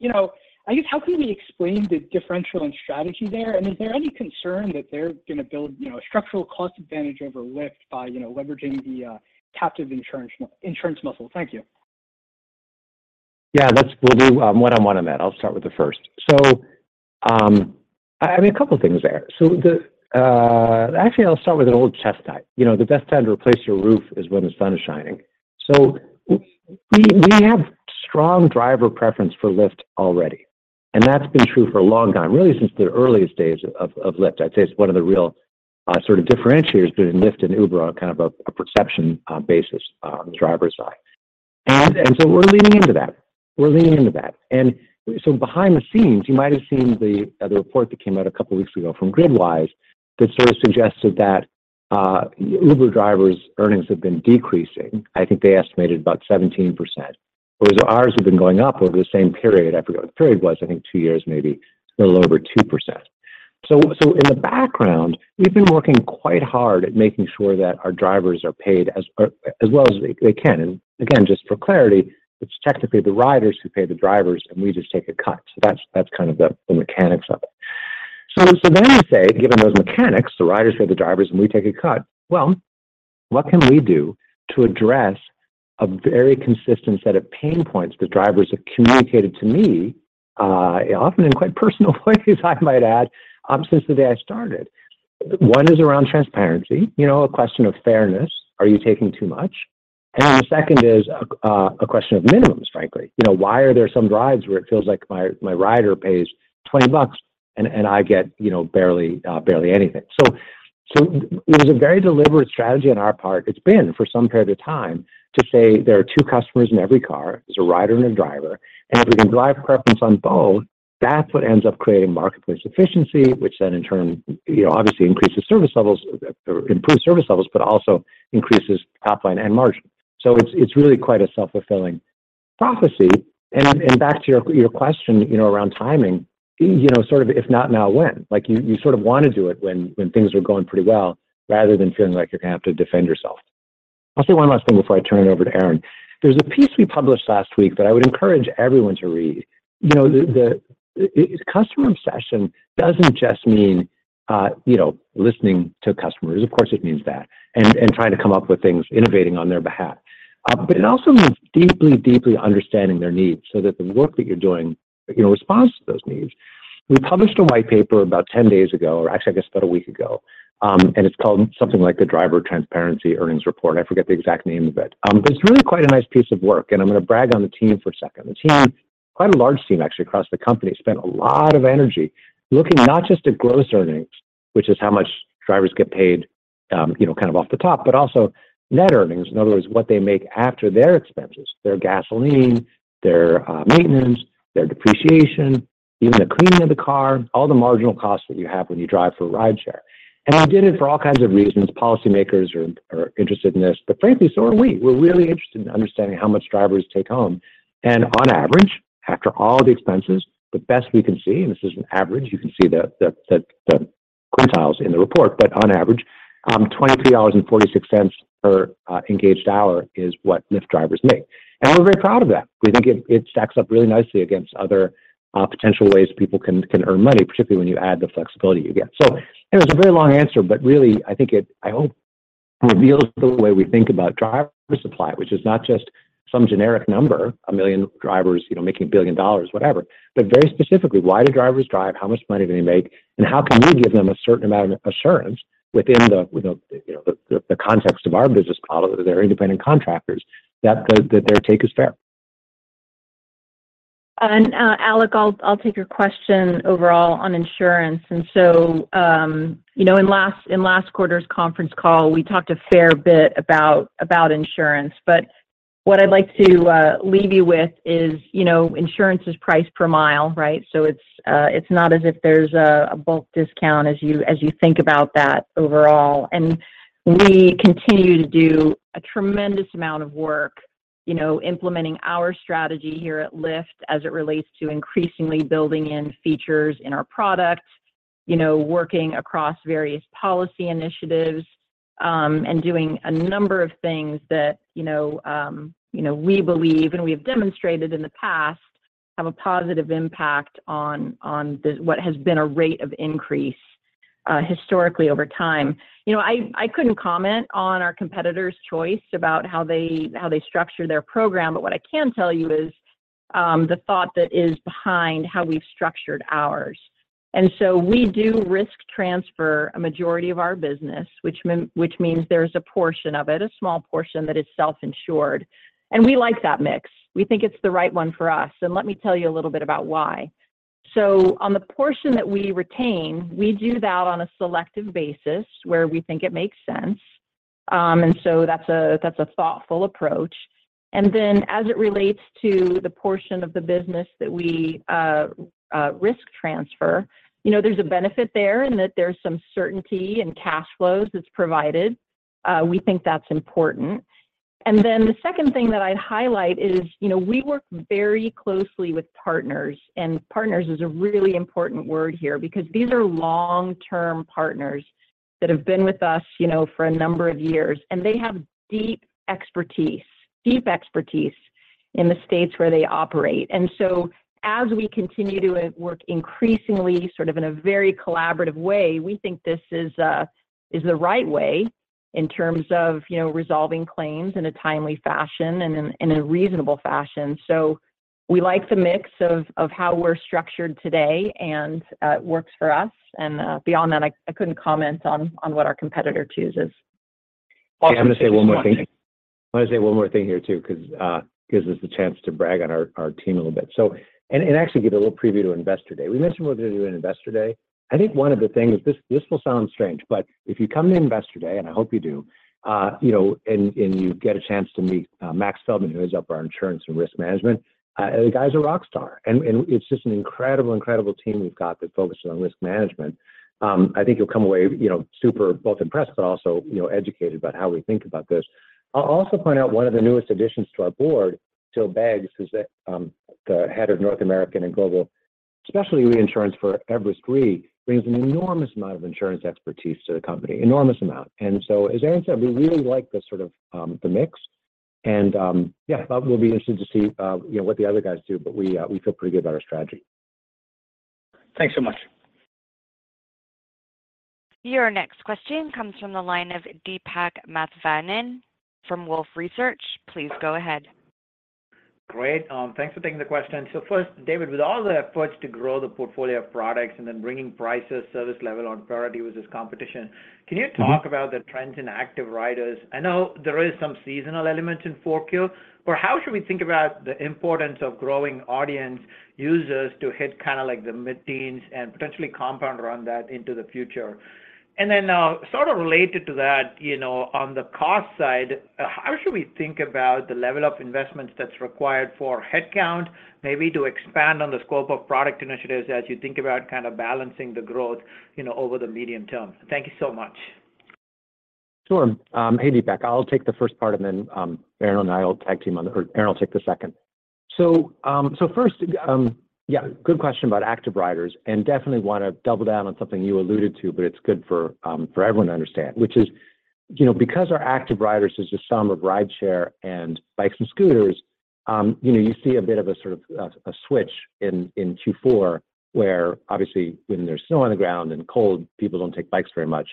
You know, I guess how can we explain the differential and strategy there? Is there any concern that they're going to build, you know, a structural cost advantage over Lyft by, you know, leveraging the captive insurance, insurance muscle? Thank you. Yeah, that's—we'll do one-on-one on that. I'll start with the first. So, I mean, a couple of things there. So the... Actually, I'll start with an old chestnut. You know, the best time to replace your roof is when the sun is shining. So we have strong driver preference for Lyft already, and that's been true for a long time, really since the earliest days of Lyft. I'd say it's one of the real sort of differentiators between Lyft and Uber on kind of a perception basis on the driver's side. And so we're leaning into that. We're leaning into that. And so behind the scenes, you might have seen the report that came out a couple weeks ago from Gridwise that sort of suggested that Uber drivers' earnings have been decreasing. I think they estimated about 17%, whereas ours have been going up over the same period. I forget what the period was, I think two years, maybe a little over 2%. So, so in the background, we've been working quite hard at making sure that our drivers are paid as, as well as they can. And again, just for clarity, it's technically the riders who pay the drivers, and we just take a cut. So that's, that's kind of the, the mechanics of it. So, so then we say, given those mechanics, the riders are the drivers, and we take a cut, well, what can we do to address a very consistent set of pain points that drivers have communicated to me, often in quite personal ways, I might add, since the day I started? One is around transparency. You know, a question of fairness. Are you taking too much? The second is a question of minimums, frankly. You know, why are there some rides where it feels like my rider pays $20, and I get, you know, barely barely anything? So it was a very deliberate strategy on our part. It's been for some period of time to say there are two customers in every car, there's a rider and a driver, and if we can drive preference on both, that's what ends up creating marketplace efficiency, which then in turn, you know, obviously increases service levels or improves service levels, but also increases top line and margin. So it's really quite a self-fulfilling prophecy. And back to your question, you know, around timing, you know, sort of if not now, when? Like, you sort of want to do it when things are going pretty well rather than feeling like you're going to have to defend yourself. I'll say one last thing before I turn it over to Erin. There's a piece we published last week that I would encourage everyone to read. You know, the customer obsession doesn't just mean, you know, listening to customers. Of course, it means that, and trying to come up with things, innovating on their behalf. But it also means deeply, deeply understanding their needs so that the work that you're doing, you know, responds to those needs. We published a white paper about 10 days ago, or actually, I guess about a week ago, and it's called something like the Driver Transparency Earnings Report. I forget the exact name of it. But it's really quite a nice piece of work, and I'm going to brag on the team for a second. The team, quite a large team, actually, across the company, spent a lot of energy looking not just at gross earnings, which is how much drivers get paid, you know, kind of off the top, but also net earnings. In other words, what they make after their expenses, their gasoline, their maintenance, their depreciation, even the cleaning of the car, all the marginal costs that you have when you drive for rideshare. And we did it for all kinds of reasons. Policymakers are interested in this, but frankly, so are we. We're really interested in understanding how much drivers take home. On average, after all the expenses, the best we can see, and this is an average, you can see the quintiles in the report, but on average, $23.46 per engaged hour is what Lyft drivers make, and we're very proud of that. We think it stacks up really nicely against other potential ways people can earn money, particularly when you add the flexibility you get. So anyway, it's a very long answer, but really, I think it, I hope, reveals the way we think about driver supply, which is not just some generic number, 1 million drivers, you know, making $1 billion, whatever. But very specifically, why do drivers drive? How much money do they make, and how can we give them a certain amount of assurance within the, you know, the context of our business model, that they're independent contractors, that their take is fair? And, Alec, I'll take your question overall on insurance. And so, you know, in last quarter's conference call, we talked a fair bit about insurance. But what I'd like to leave you with is, you know, insurance is priced per mile, right? So it's not as if there's a bulk discount as you think about that overall. And we continue to do a tremendous amount of work, you know, implementing our strategy here at Lyft as it relates to increasingly building in features in our product, you know, working across various policy initiatives, and doing a number of things that, you know, we believe, and we have demonstrated in the past, have a positive impact on the what has been a rate of increase, historically over time. You know, I couldn't comment on our competitor's choice about how they structure their program, but what I can tell you is the thought that is behind how we've structured ours. And so we do risk transfer a majority of our business, which means there's a portion of it, a small portion, that is self-insured, and we like that mix. We think it's the right one for us, and let me tell you a little bit about why. So on the portion that we retain, we do that on a selective basis where we think it makes sense. And so that's a thoughtful approach. And then, as it relates to the portion of the business that we risk transfer, you know, there's a benefit there, in that there's some certainty and cash flows that's provided. We think that's important. And then the second thing that I'd highlight is, you know, we work very closely with partners, and partners is a really important word here, because these are long-term partners that have been with us, you know, for a number of years, and they have deep expertise, deep expertise in the states where they operate. And so as we continue to work increasingly, sort of in a very collaborative way, we think this is, is the right way in terms of, you know, resolving claims in a timely fashion and in a reasonable fashion. So we like the mix of, of how we're structured today, and it works for us, and beyond that, I, I couldn't comment on, on what our competitor chooses. I'm gonna say one more thing. I wanna say one more thing here, too, 'cause it gives us the chance to brag on our, our team a little bit. So, actually give a little preview to Investor Day. We mentioned we're gonna do an Investor Day. I think one of the things... This, this will sound strange, but if you come to Investor Day, and I hope you do, you know, and you get a chance to meet, Max Feldman, who heads up our insurance and risk management, the guy's a rock star, and it's just an incredible, incredible team we've got that focuses on risk management. I think you'll come away, you know, super both impressed, but also, you know, educated about how we think about this. I'll also point out one of the newest additions to our board, Jill Beggs, who's the head of North American and Global Specialty Reinsurance for Everest Re, brings an enormous amount of insurance expertise to the company, enormous amount. And so as Erin said, we really like the sort of, the mix, and, yeah, but will be interested to see, you know, what the other guys do, but we, we feel pretty good about our strategy. Thanks so much. Your next question comes from the line of Deepak Mathivanan from Wolfe Research. Please go ahead. Great. Thanks for taking the question. First, David, with all the efforts to grow the portfolio of products and then bringing prices, service level on parity with this competition- Mm-hmm. Can you talk about the trends in active riders? I know there is some seasonal elements in 4Q, but how should we think about the importance of growing audience users to hit kind of like the mid-teens and potentially compound around that into the future? And then, sort of related to that, you know, on the cost side, how should we think about the level of investments that's required for headcount, maybe to expand on the scope of product initiatives as you think about kind of balancing the growth, you know, over the medium term? Thank you so much. Sure. Hey, Deepak, I'll take the first part, and then, Erin and I will tag team on the- or Erin will take the second. So, first, yeah, good question about active riders, and definitely want to double down on something you alluded to, but it's good for, for everyone to understand, which is, you know, because our active riders is the sum of rideshare and bikes and scooters, you know, you see a bit of a sort of a switch in Q4, where obviously, when there's snow on the ground and cold, people don't take bikes very much.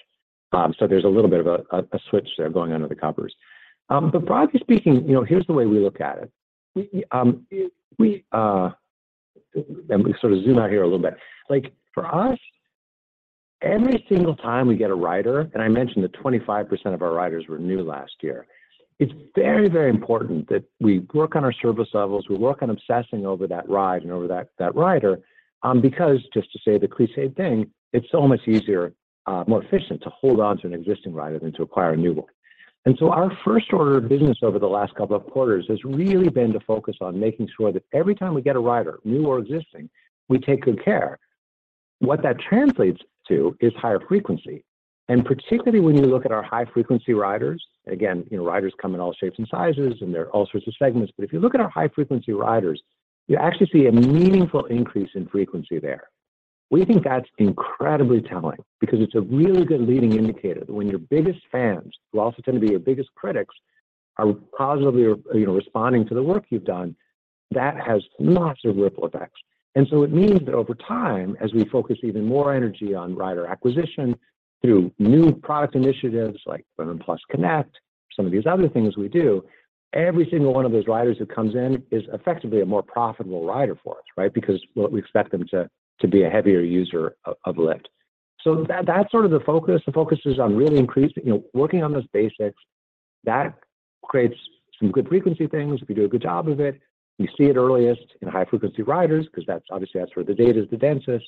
So there's a little bit of a switch there going under the covers. But broadly speaking, you know, here's the way we look at it. We... Let me sort of zoom out here a little bit. Like, for us, every single time we get a rider, and I mentioned that 25% of our riders were new last year, it's very, very important that we work on our service levels, we work on obsessing over that ride and over that, that rider, because just to say the clichéd thing, it's so much easier, more efficient to hold on to an existing rider than to acquire a new one. And so our first order of business over the last couple of quarters has really been to focus on making sure that every time we get a rider, new or existing, we take good care. What that translates to is higher frequency, and particularly when you look at our high-frequency riders, again, you know, riders come in all shapes and sizes, and there are all sorts of segments, but if you look at our high-frequency riders, you actually see a meaningful increase in frequency there. We think that's incredibly telling, because it's a really good leading indicator that when your biggest fans, who also tend to be your biggest critics, are positively, you know, responding to the work you've done, that has massive ripple effects. And so it means that over time, as we focus even more energy on rider acquisition through new product initiatives like Lyft Pass, Connect, some of these other things we do, every single one of those riders that comes in is effectively a more profitable rider for us, right? Because we expect them to be a heavier user of Lyft. So that's sort of the focus. The focus is on really increasing, you know, working on those basics. That creates some good frequency things. If you do a good job of it, you see it earliest in high-frequency riders, because that's obviously where the data is the densest.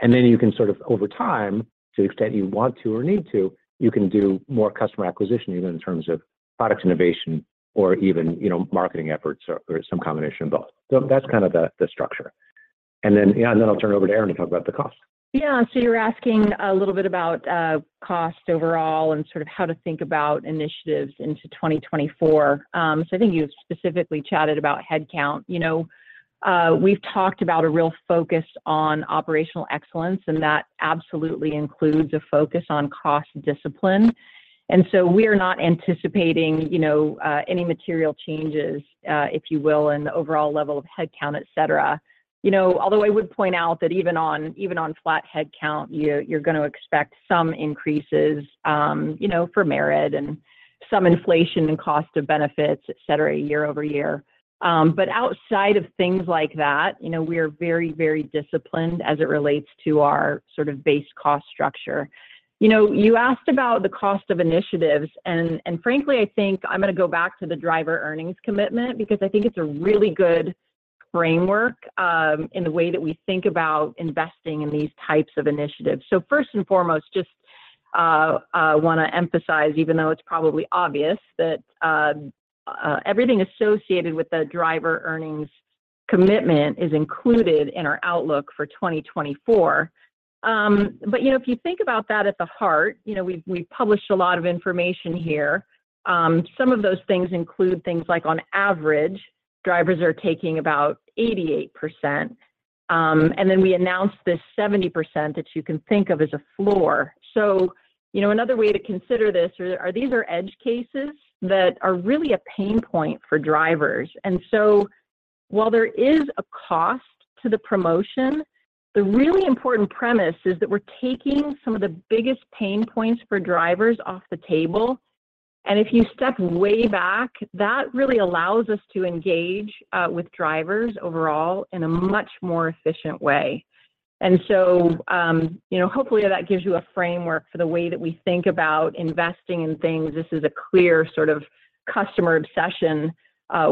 And then you can sort of, over time, to the extent you want to or need to, you can do more customer acquisition, even in terms of products innovation or even, you know, marketing efforts or some combination of both. So that's kind of the structure. And then, yeah, and then I'll turn it over to Erin to talk about the cost. Yeah. So you're asking a little bit about cost overall and sort of how to think about initiatives into 2024. So I think you've specifically chatted about headcount. You know, we've talked about a real focus on operational excellence, and that absolutely includes a focus on cost discipline. And so we are not anticipating, you know, any material changes, if you will, in the overall level of headcount, et cetera. You know, although I would point out that even on flat headcount, you're going to expect some increases, you know, for merit and some inflation and cost of benefits, et cetera, year-over-year. But outside of things like that, you know, we are very, very disciplined as it relates to our sort of base cost structure. You know, you asked about the cost of initiatives, and frankly, I think I'm gonna go back to the Driver Earnings Commitment, because I think it's a really good framework in the way that we think about investing in these types of initiatives. So first and foremost, just I want to emphasize, even though it's probably obvious, that everything associated with the Driver Earnings Commitment is included in our outlook for 2024. But you know, if you think about that at the heart, you know, we've published a lot of information here. Some of those things include things like, on average, drivers are taking about 88%. And then we announced this 70%, that you can think of as a floor. So, you know, another way to consider this, these are edge cases that are really a pain point for drivers. While there is a cost to the promotion, the really important premise is that we're taking some of the biggest pain points for drivers off the table. If you step way back, that really allows us to engage with drivers overall in a much more efficient way. So, you know, hopefully, that gives you a framework for the way that we think about investing in things. This is a clear sort of customer obsession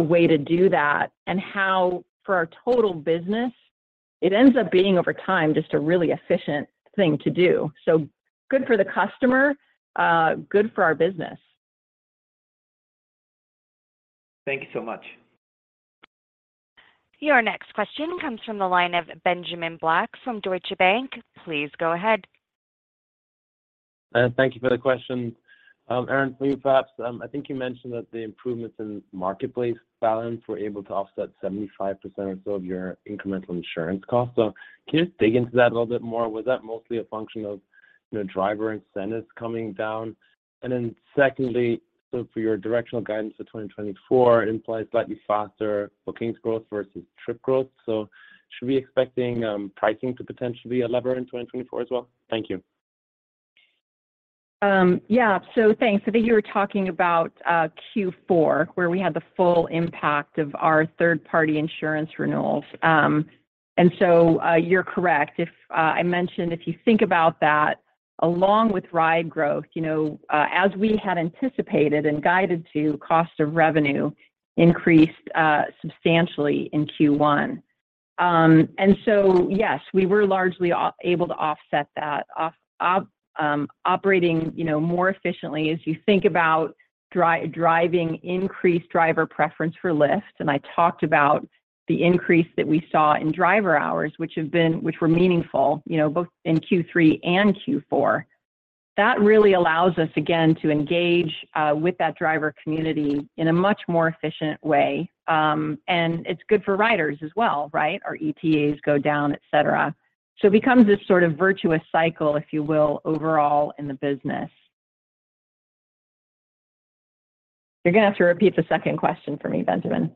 way to do that, and how, for our total business, it ends up being, over time, just a really efficient thing to do. So good for the customer, good for our business. Thank you so much. Your next question comes from the line of Benjamin Black from Deutsche Bank. Please go ahead. Thank you for the question. Erin, for you, perhaps, I think you mentioned that the improvements in marketplace balance were able to offset 75% or so of your incremental insurance costs. So can you just dig into that a little bit more? Was that mostly a function of, you know, driver incentives coming down? And then secondly, so for your directional guidance for 2024 implies slightly faster bookings growth versus trip growth. So should we be expecting, pricing to potentially lever in 2024 as well? Thank you. Yeah. So thanks. I think you were talking about Q4, where we had the full impact of our third-party insurance renewals. And so, you're correct. If I mentioned, if you think about that, along with ride growth, you know, as we had anticipated and guided to, cost of revenue increased substantially in Q1. And so yes, we were largely able to offset that off operating, you know, more efficiently as you think about driving increased driver preference for Lyft. And I talked about the increase that we saw in Driver Hours, which were meaningful, you know, both in Q3 and Q4. That really allows us, again, to engage with that driver community in a much more efficient way. And it's good for riders as well, right? Our ETAs go down, et cetera. So it becomes this sort of virtuous cycle, if you will, overall in the business. You're gonna have to repeat the second question for me, Benjamin.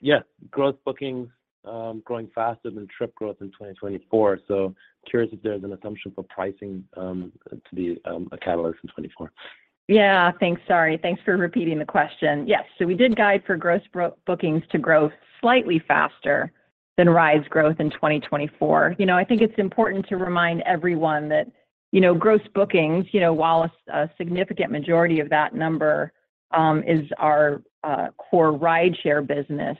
Yeah. Gross bookings growing faster than trip growth in 2024. So curious if there's an assumption for pricing to be a catalyst in 2024. Yeah, thanks. Sorry. Thanks for repeating the question. Yes, so we did guide for gross bookings to grow slightly faster than rides growth in 2024. You know, I think it's important to remind everyone that, you know, gross bookings, you know, while a significant majority of that number is our core rideshare business,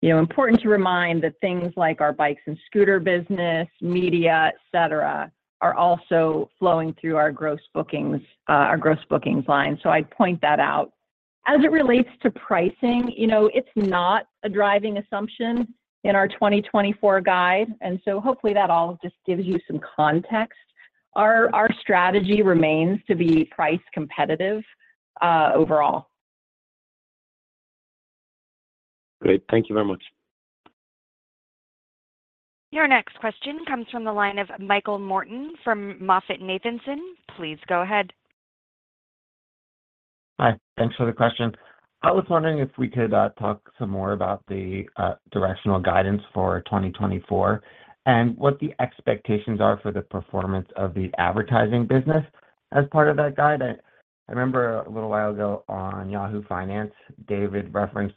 you know, important to remind that things like our bikes and scooter business, media, et cetera, are also flowing through our gross bookings, our gross bookings line. So I'd point that out. As it relates to pricing, you know, it's not a driving assumption in our 2024 guide, and so hopefully, that all just gives you some context. Our strategy remains to be price competitive overall. Great. Thank you very much. Your next question comes from the line of Michael Morton from MoffettNathanson. Please go ahead. Hi, thanks for the question. I was wondering if we could talk some more about the directional guidance for 2024, and what the expectations are for the performance of the advertising business as part of that guide. I remember a little while ago on Yahoo Finance, David referenced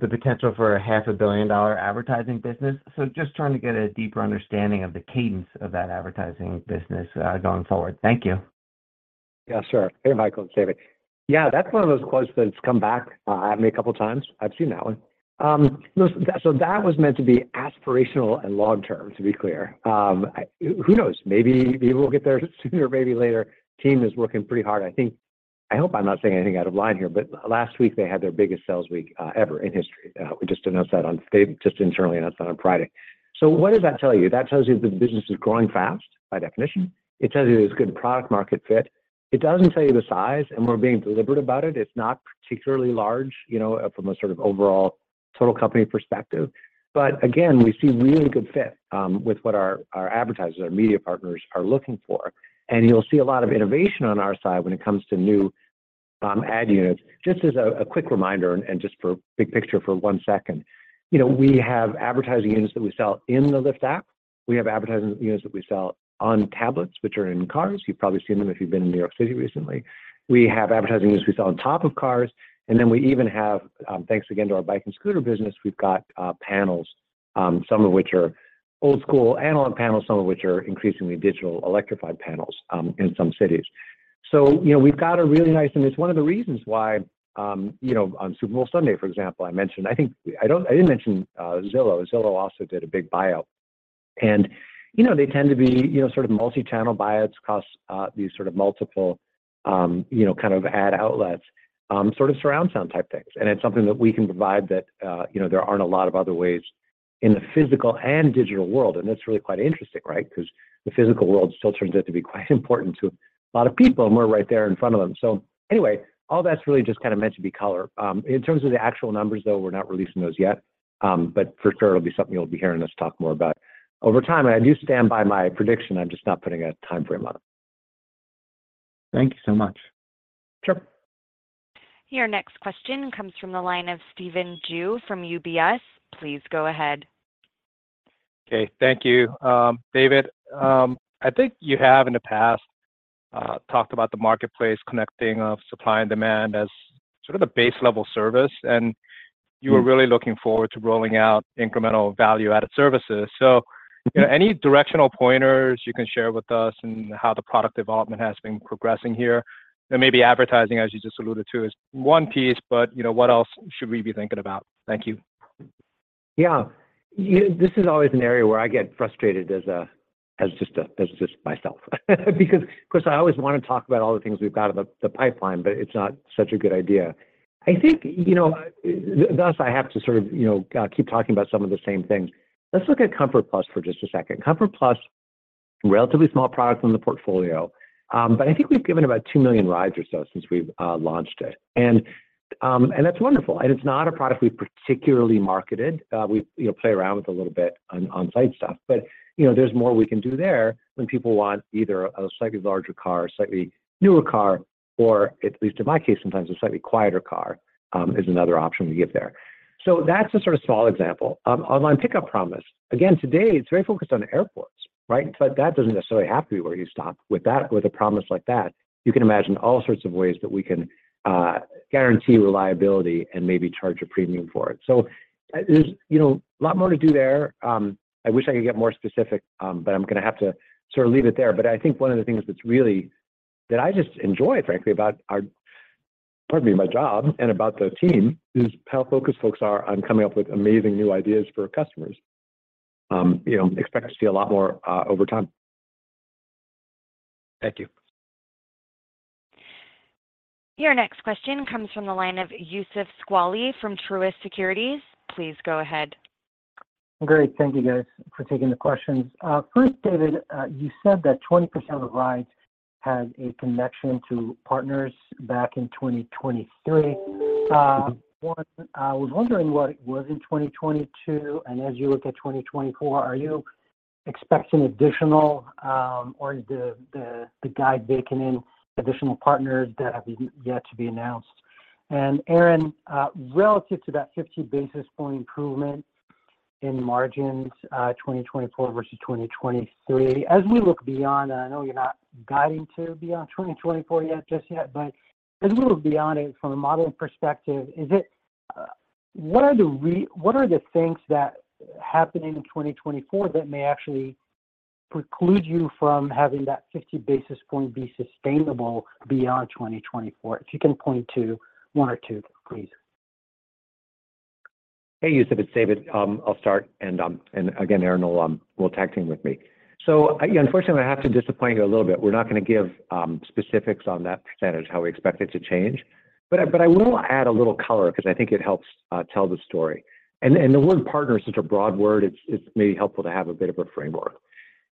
the potential for a $500 million advertising business. So just trying to get a deeper understanding of the cadence of that advertising business, going forward. Thank you. Yeah, sure. Hey, Michael, it's David. Yeah, that's one of those quotes that's come back at me a couple times. I've seen that one. Listen, so that was meant to be aspirational and long-term, to be clear. Who knows? Maybe we will get there sooner, maybe later. Team is working pretty hard. I think I hope I'm not saying anything out of line here, but last week, they had their biggest sales week ever in history. We just announced that on they just internally announced that on Friday. So what does that tell you? That tells you the business is growing fast, by definition. It tells you it's good product-market fit. It doesn't tell you the size, and we're being deliberate about it. It's not particularly large, you know, from a sort of overall total company perspective. But again, we see really good fit with what our advertisers, our media partners are looking for. And you'll see a lot of innovation on our side when it comes to new ad units. Just as a quick reminder and just for big picture for one second, you know, we have advertising units that we sell in the Lyft app. We have advertising units that we sell on tablets, which are in cars. You've probably seen them if you've been in New York City recently. We have advertising units we sell on top of cars, and then we even have, thanks again to our bike and scooter business, we've got panels, some of which are old-school analog panels, some of which are increasingly digital electrified panels in some cities. So, you know, we've got a really nice- and it's one of the reasons why, you know, on Super Bowl Sunday, for example, I mentioned- I think- I didn't mention Zillow. Zillow also did a big buy-out. And, you know, they tend to be, you know, sort of multi-channel buy-outs across these sort of multiple, you know, kind of ad outlets, sort of surround sound type things. And it's something that we can provide that, you know, there aren't a lot of other ways in the physical and digital world, and that's really quite interesting, right? Because the physical world still turns out to be quite important to a lot of people, and we're right there in front of them. So anyway, all that's really just kind of meant to be color. In terms of the actual numbers, though, we're not releasing those yet, but for sure it'll be something you'll be hearing us talk more about. Over time, I do stand by my prediction, I'm just not putting a timeframe on it. Thank you so much. Sure. Your next question comes from the line of Stephen Ju from UBS. Please go ahead. Okay, thank you. David, I think you have, in the past, talked about the marketplace connecting of supply and demand as sort of the base-level service, and you were really looking forward to rolling out incremental value-added services. So, Mm-hmm. You know, any directional pointers you can share with us in how the product development has been progressing here? And maybe advertising, as you just alluded to, is one piece, but, you know, what else should we be thinking about? Thank you. Yeah. This is always an area where I get frustrated as a, as just a, as just myself. Because, of course, I always wanna talk about all the things we've got in the pipeline, but it's not such a good idea. I think, you know, thus, I have to sort of, you know, keep talking about some of the same things. Let's look at Comfort+ for just a second. Comfort+, relatively small product from the portfolio, but I think we've given about 2 million rides or so since we've launched it. And, and that's wonderful, and it's not a product we've particularly marketed. We, you know, play around with a little bit on on-site stuff, but, you know, there's more we can do there when people want either a slightly larger car, a slightly newer car, or at least in my case, sometimes a slightly quieter car, is another option we give there. So that's a sort of small example. On-Time Pickup Promise. Again, today, it's very focused on airports, right? But that doesn't necessarily have to be where you stop. With that, with a promise like that, you can imagine all sorts of ways that we can guarantee reliability and maybe charge a premium for it. So there's, you know, a lot more to do there. I wish I could get more specific, but I'm gonna have to sort of leave it there. But I think one of the things that I just enjoy, frankly, about our, pardon me, my job and about the team, is how focused folks are on coming up with amazing new ideas for customers. You know, expect to see a lot more over time. Thank you. Your next question comes from the line of Youssef Squali from Truist Securities. Please go ahead. Great. Thank you, guys, for taking the questions. First, David, you said that 20% of the rides had a connection to partners back in 2023. I was wondering what it was in 2022, and as you look at 2024, are you expecting additional, or the guide bake in additional partners that have yet to be announced? And Erin, relative to that 50 basis point improvement in margins, 2024 versus 2023, as we look beyond, I know you're not guiding to beyond 2024 yet, just yet, but as we look beyond it from a modeling perspective, is it, what are the things that happened in 2024 that may actually preclude you from having that 50 basis point be sustainable beyond 2024? If you can point to one or two, please. Hey, Youssef, it's David. I'll start, and again, Erin will tag team with me. So, unfortunately, I have to disappoint you a little bit. We're not gonna give specifics on that percentage, how we expect it to change. But I will add a little color because I think it helps tell the story. The word partner is such a broad word. It's maybe helpful to have a bit of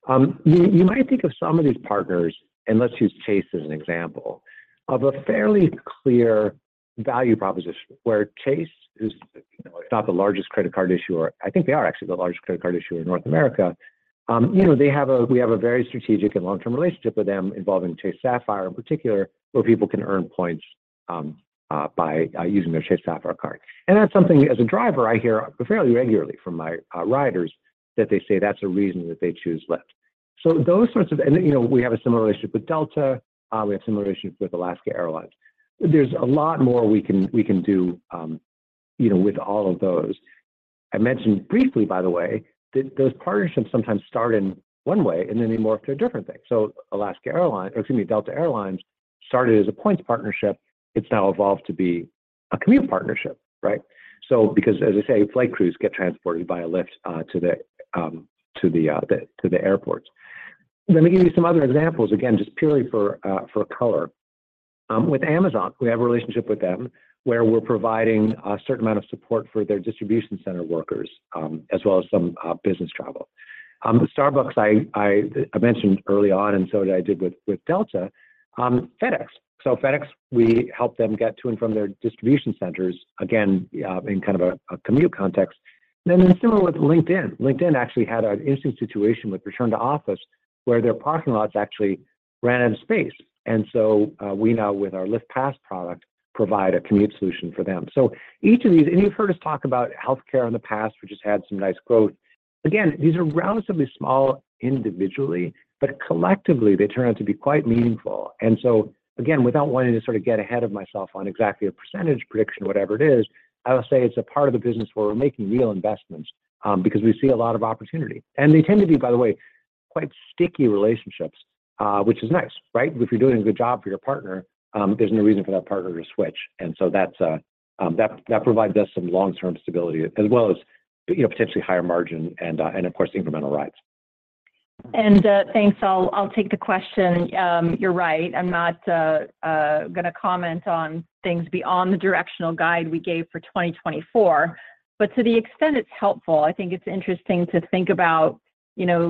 a framework. You might think of some of these partners, and let's use Chase as an example, of a fairly clear value proposition, where Chase is, you know, not the largest credit card issuer. I think they are actually the largest credit card issuer in North America. You know, they have a very strategic and long-term relationship with them involving Chase Sapphire in particular, where people can earn points by using their Chase Sapphire card. And that's something, as a driver, I hear fairly regularly from my riders, that they say that's a reason that they choose Lyft. So those sorts of, and, you know, we have a similar relationship with Delta. We have similar relationships with Alaska Airlines. There's a lot more we can do with all of those. I mentioned briefly, by the way, that those partnerships sometimes start in one way, and then they morph to a different thing. So Alaska Airlines, excuse me, Delta Air Lines started as a points partnership. It's now evolved to be a commute partnership, right? Because as I say, flight crews get transported by a Lyft to the airports. Let me give you some other examples, again, just purely for color. With Amazon, we have a relationship with them, where we're providing a certain amount of support for their distribution center workers, as well as some business travel. Starbucks, I mentioned early on, and so did I with Delta. FedEx. So FedEx, we help them get to and from their distribution centers, again, in kind of a commute context. And then similar with LinkedIn. LinkedIn actually had an interesting situation with return to office, where their parking lots actually ran out of space. And so, we now, with our Lyft Pass product, provide a commute solution for them. So each of these, and you've heard us talk about healthcare in the past, which has had some nice growth. Again, these are relatively small individually, but collectively, they turn out to be quite meaningful. And so, again, without wanting to sort of get ahead of myself on exactly a percentage prediction, whatever it is, I would say it's a part of the business where we're making real investments, because we see a lot of opportunity. And they tend to be, by the way, quite sticky relationships, which is nice, right? If you're doing a good job for your partner, there's no reason for that partner to switch. And so that's that provides us some long-term stability as well as, you know, potentially higher margin and, and of course, incremental rides. Thanks. I'll take the question. You're right, I'm not gonna comment on things beyond the directional guide we gave for 2024. But to the extent it's helpful, I think it's interesting to think about, you know,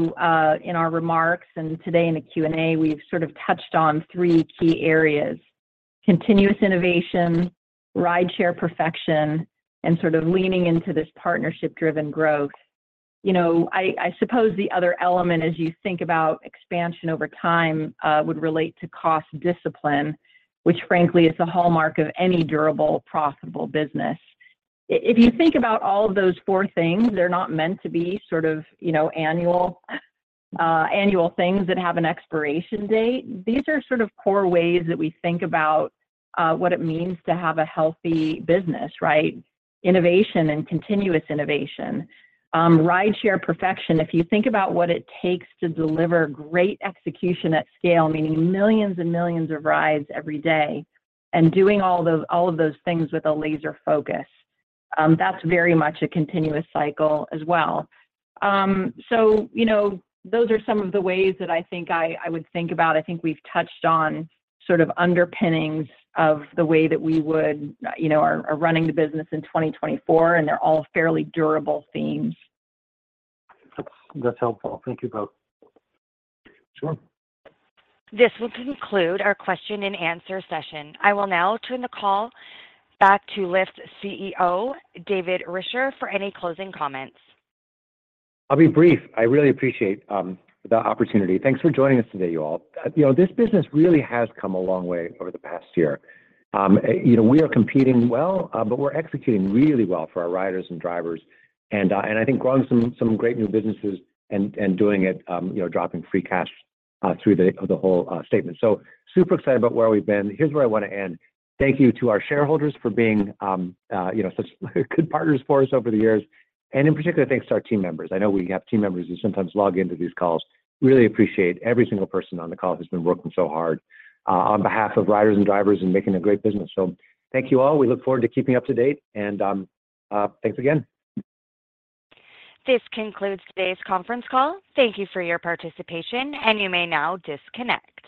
in our remarks, and today in the Q&A, we've sort of touched on three key areas: continuous innovation, rideshare perfection, and sort of leaning into this partnership-driven growth. You know, I suppose the other element, as you think about expansion over time, would relate to cost discipline, which frankly, is the hallmark of any durable, profitable business. If you think about all of those four things, they're not meant to be sort of, you know, annual things that have an expiration date. These are sort of core ways that we think about, what it means to have a healthy business, right? Innovation and continuous innovation. Rideshare perfection, if you think about what it takes to deliver great execution at scale, meaning millions and millions of rides every day, and doing all of those things with a laser focus, that's very much a continuous cycle as well. So, you know, those are some of the ways that I think I would think about. I think we've touched on sort of underpinnings of the way that we would, you know, are running the business in 2024, and they're all fairly durable themes. That's helpful. Thank you both. Sure. This will conclude our question-and-answer session. I will now turn the call back to Lyft's CEO, David Risher, for any closing comments. I'll be brief. I really appreciate the opportunity. Thanks for joining us today, you all. You know, this business really has come a long way over the past year. You know, we are competing well, but we're executing really well for our riders and drivers, and I think growing some great new businesses and doing it, you know, dropping free cash through the whole statement. So super excited about where we've been. Here's where I want to end. Thank you to our shareholders for being, you know, such good partners for us over the years, and in particular, thanks to our team members. I know we have team members who sometimes log into these calls. Really appreciate every single person on the call who's been working so hard on behalf of riders and drivers and making a great business. So thank you all. We look forward to keeping you up to date, and thanks again. This concludes today's conference call. Thank you for your participation, and you may now disconnect.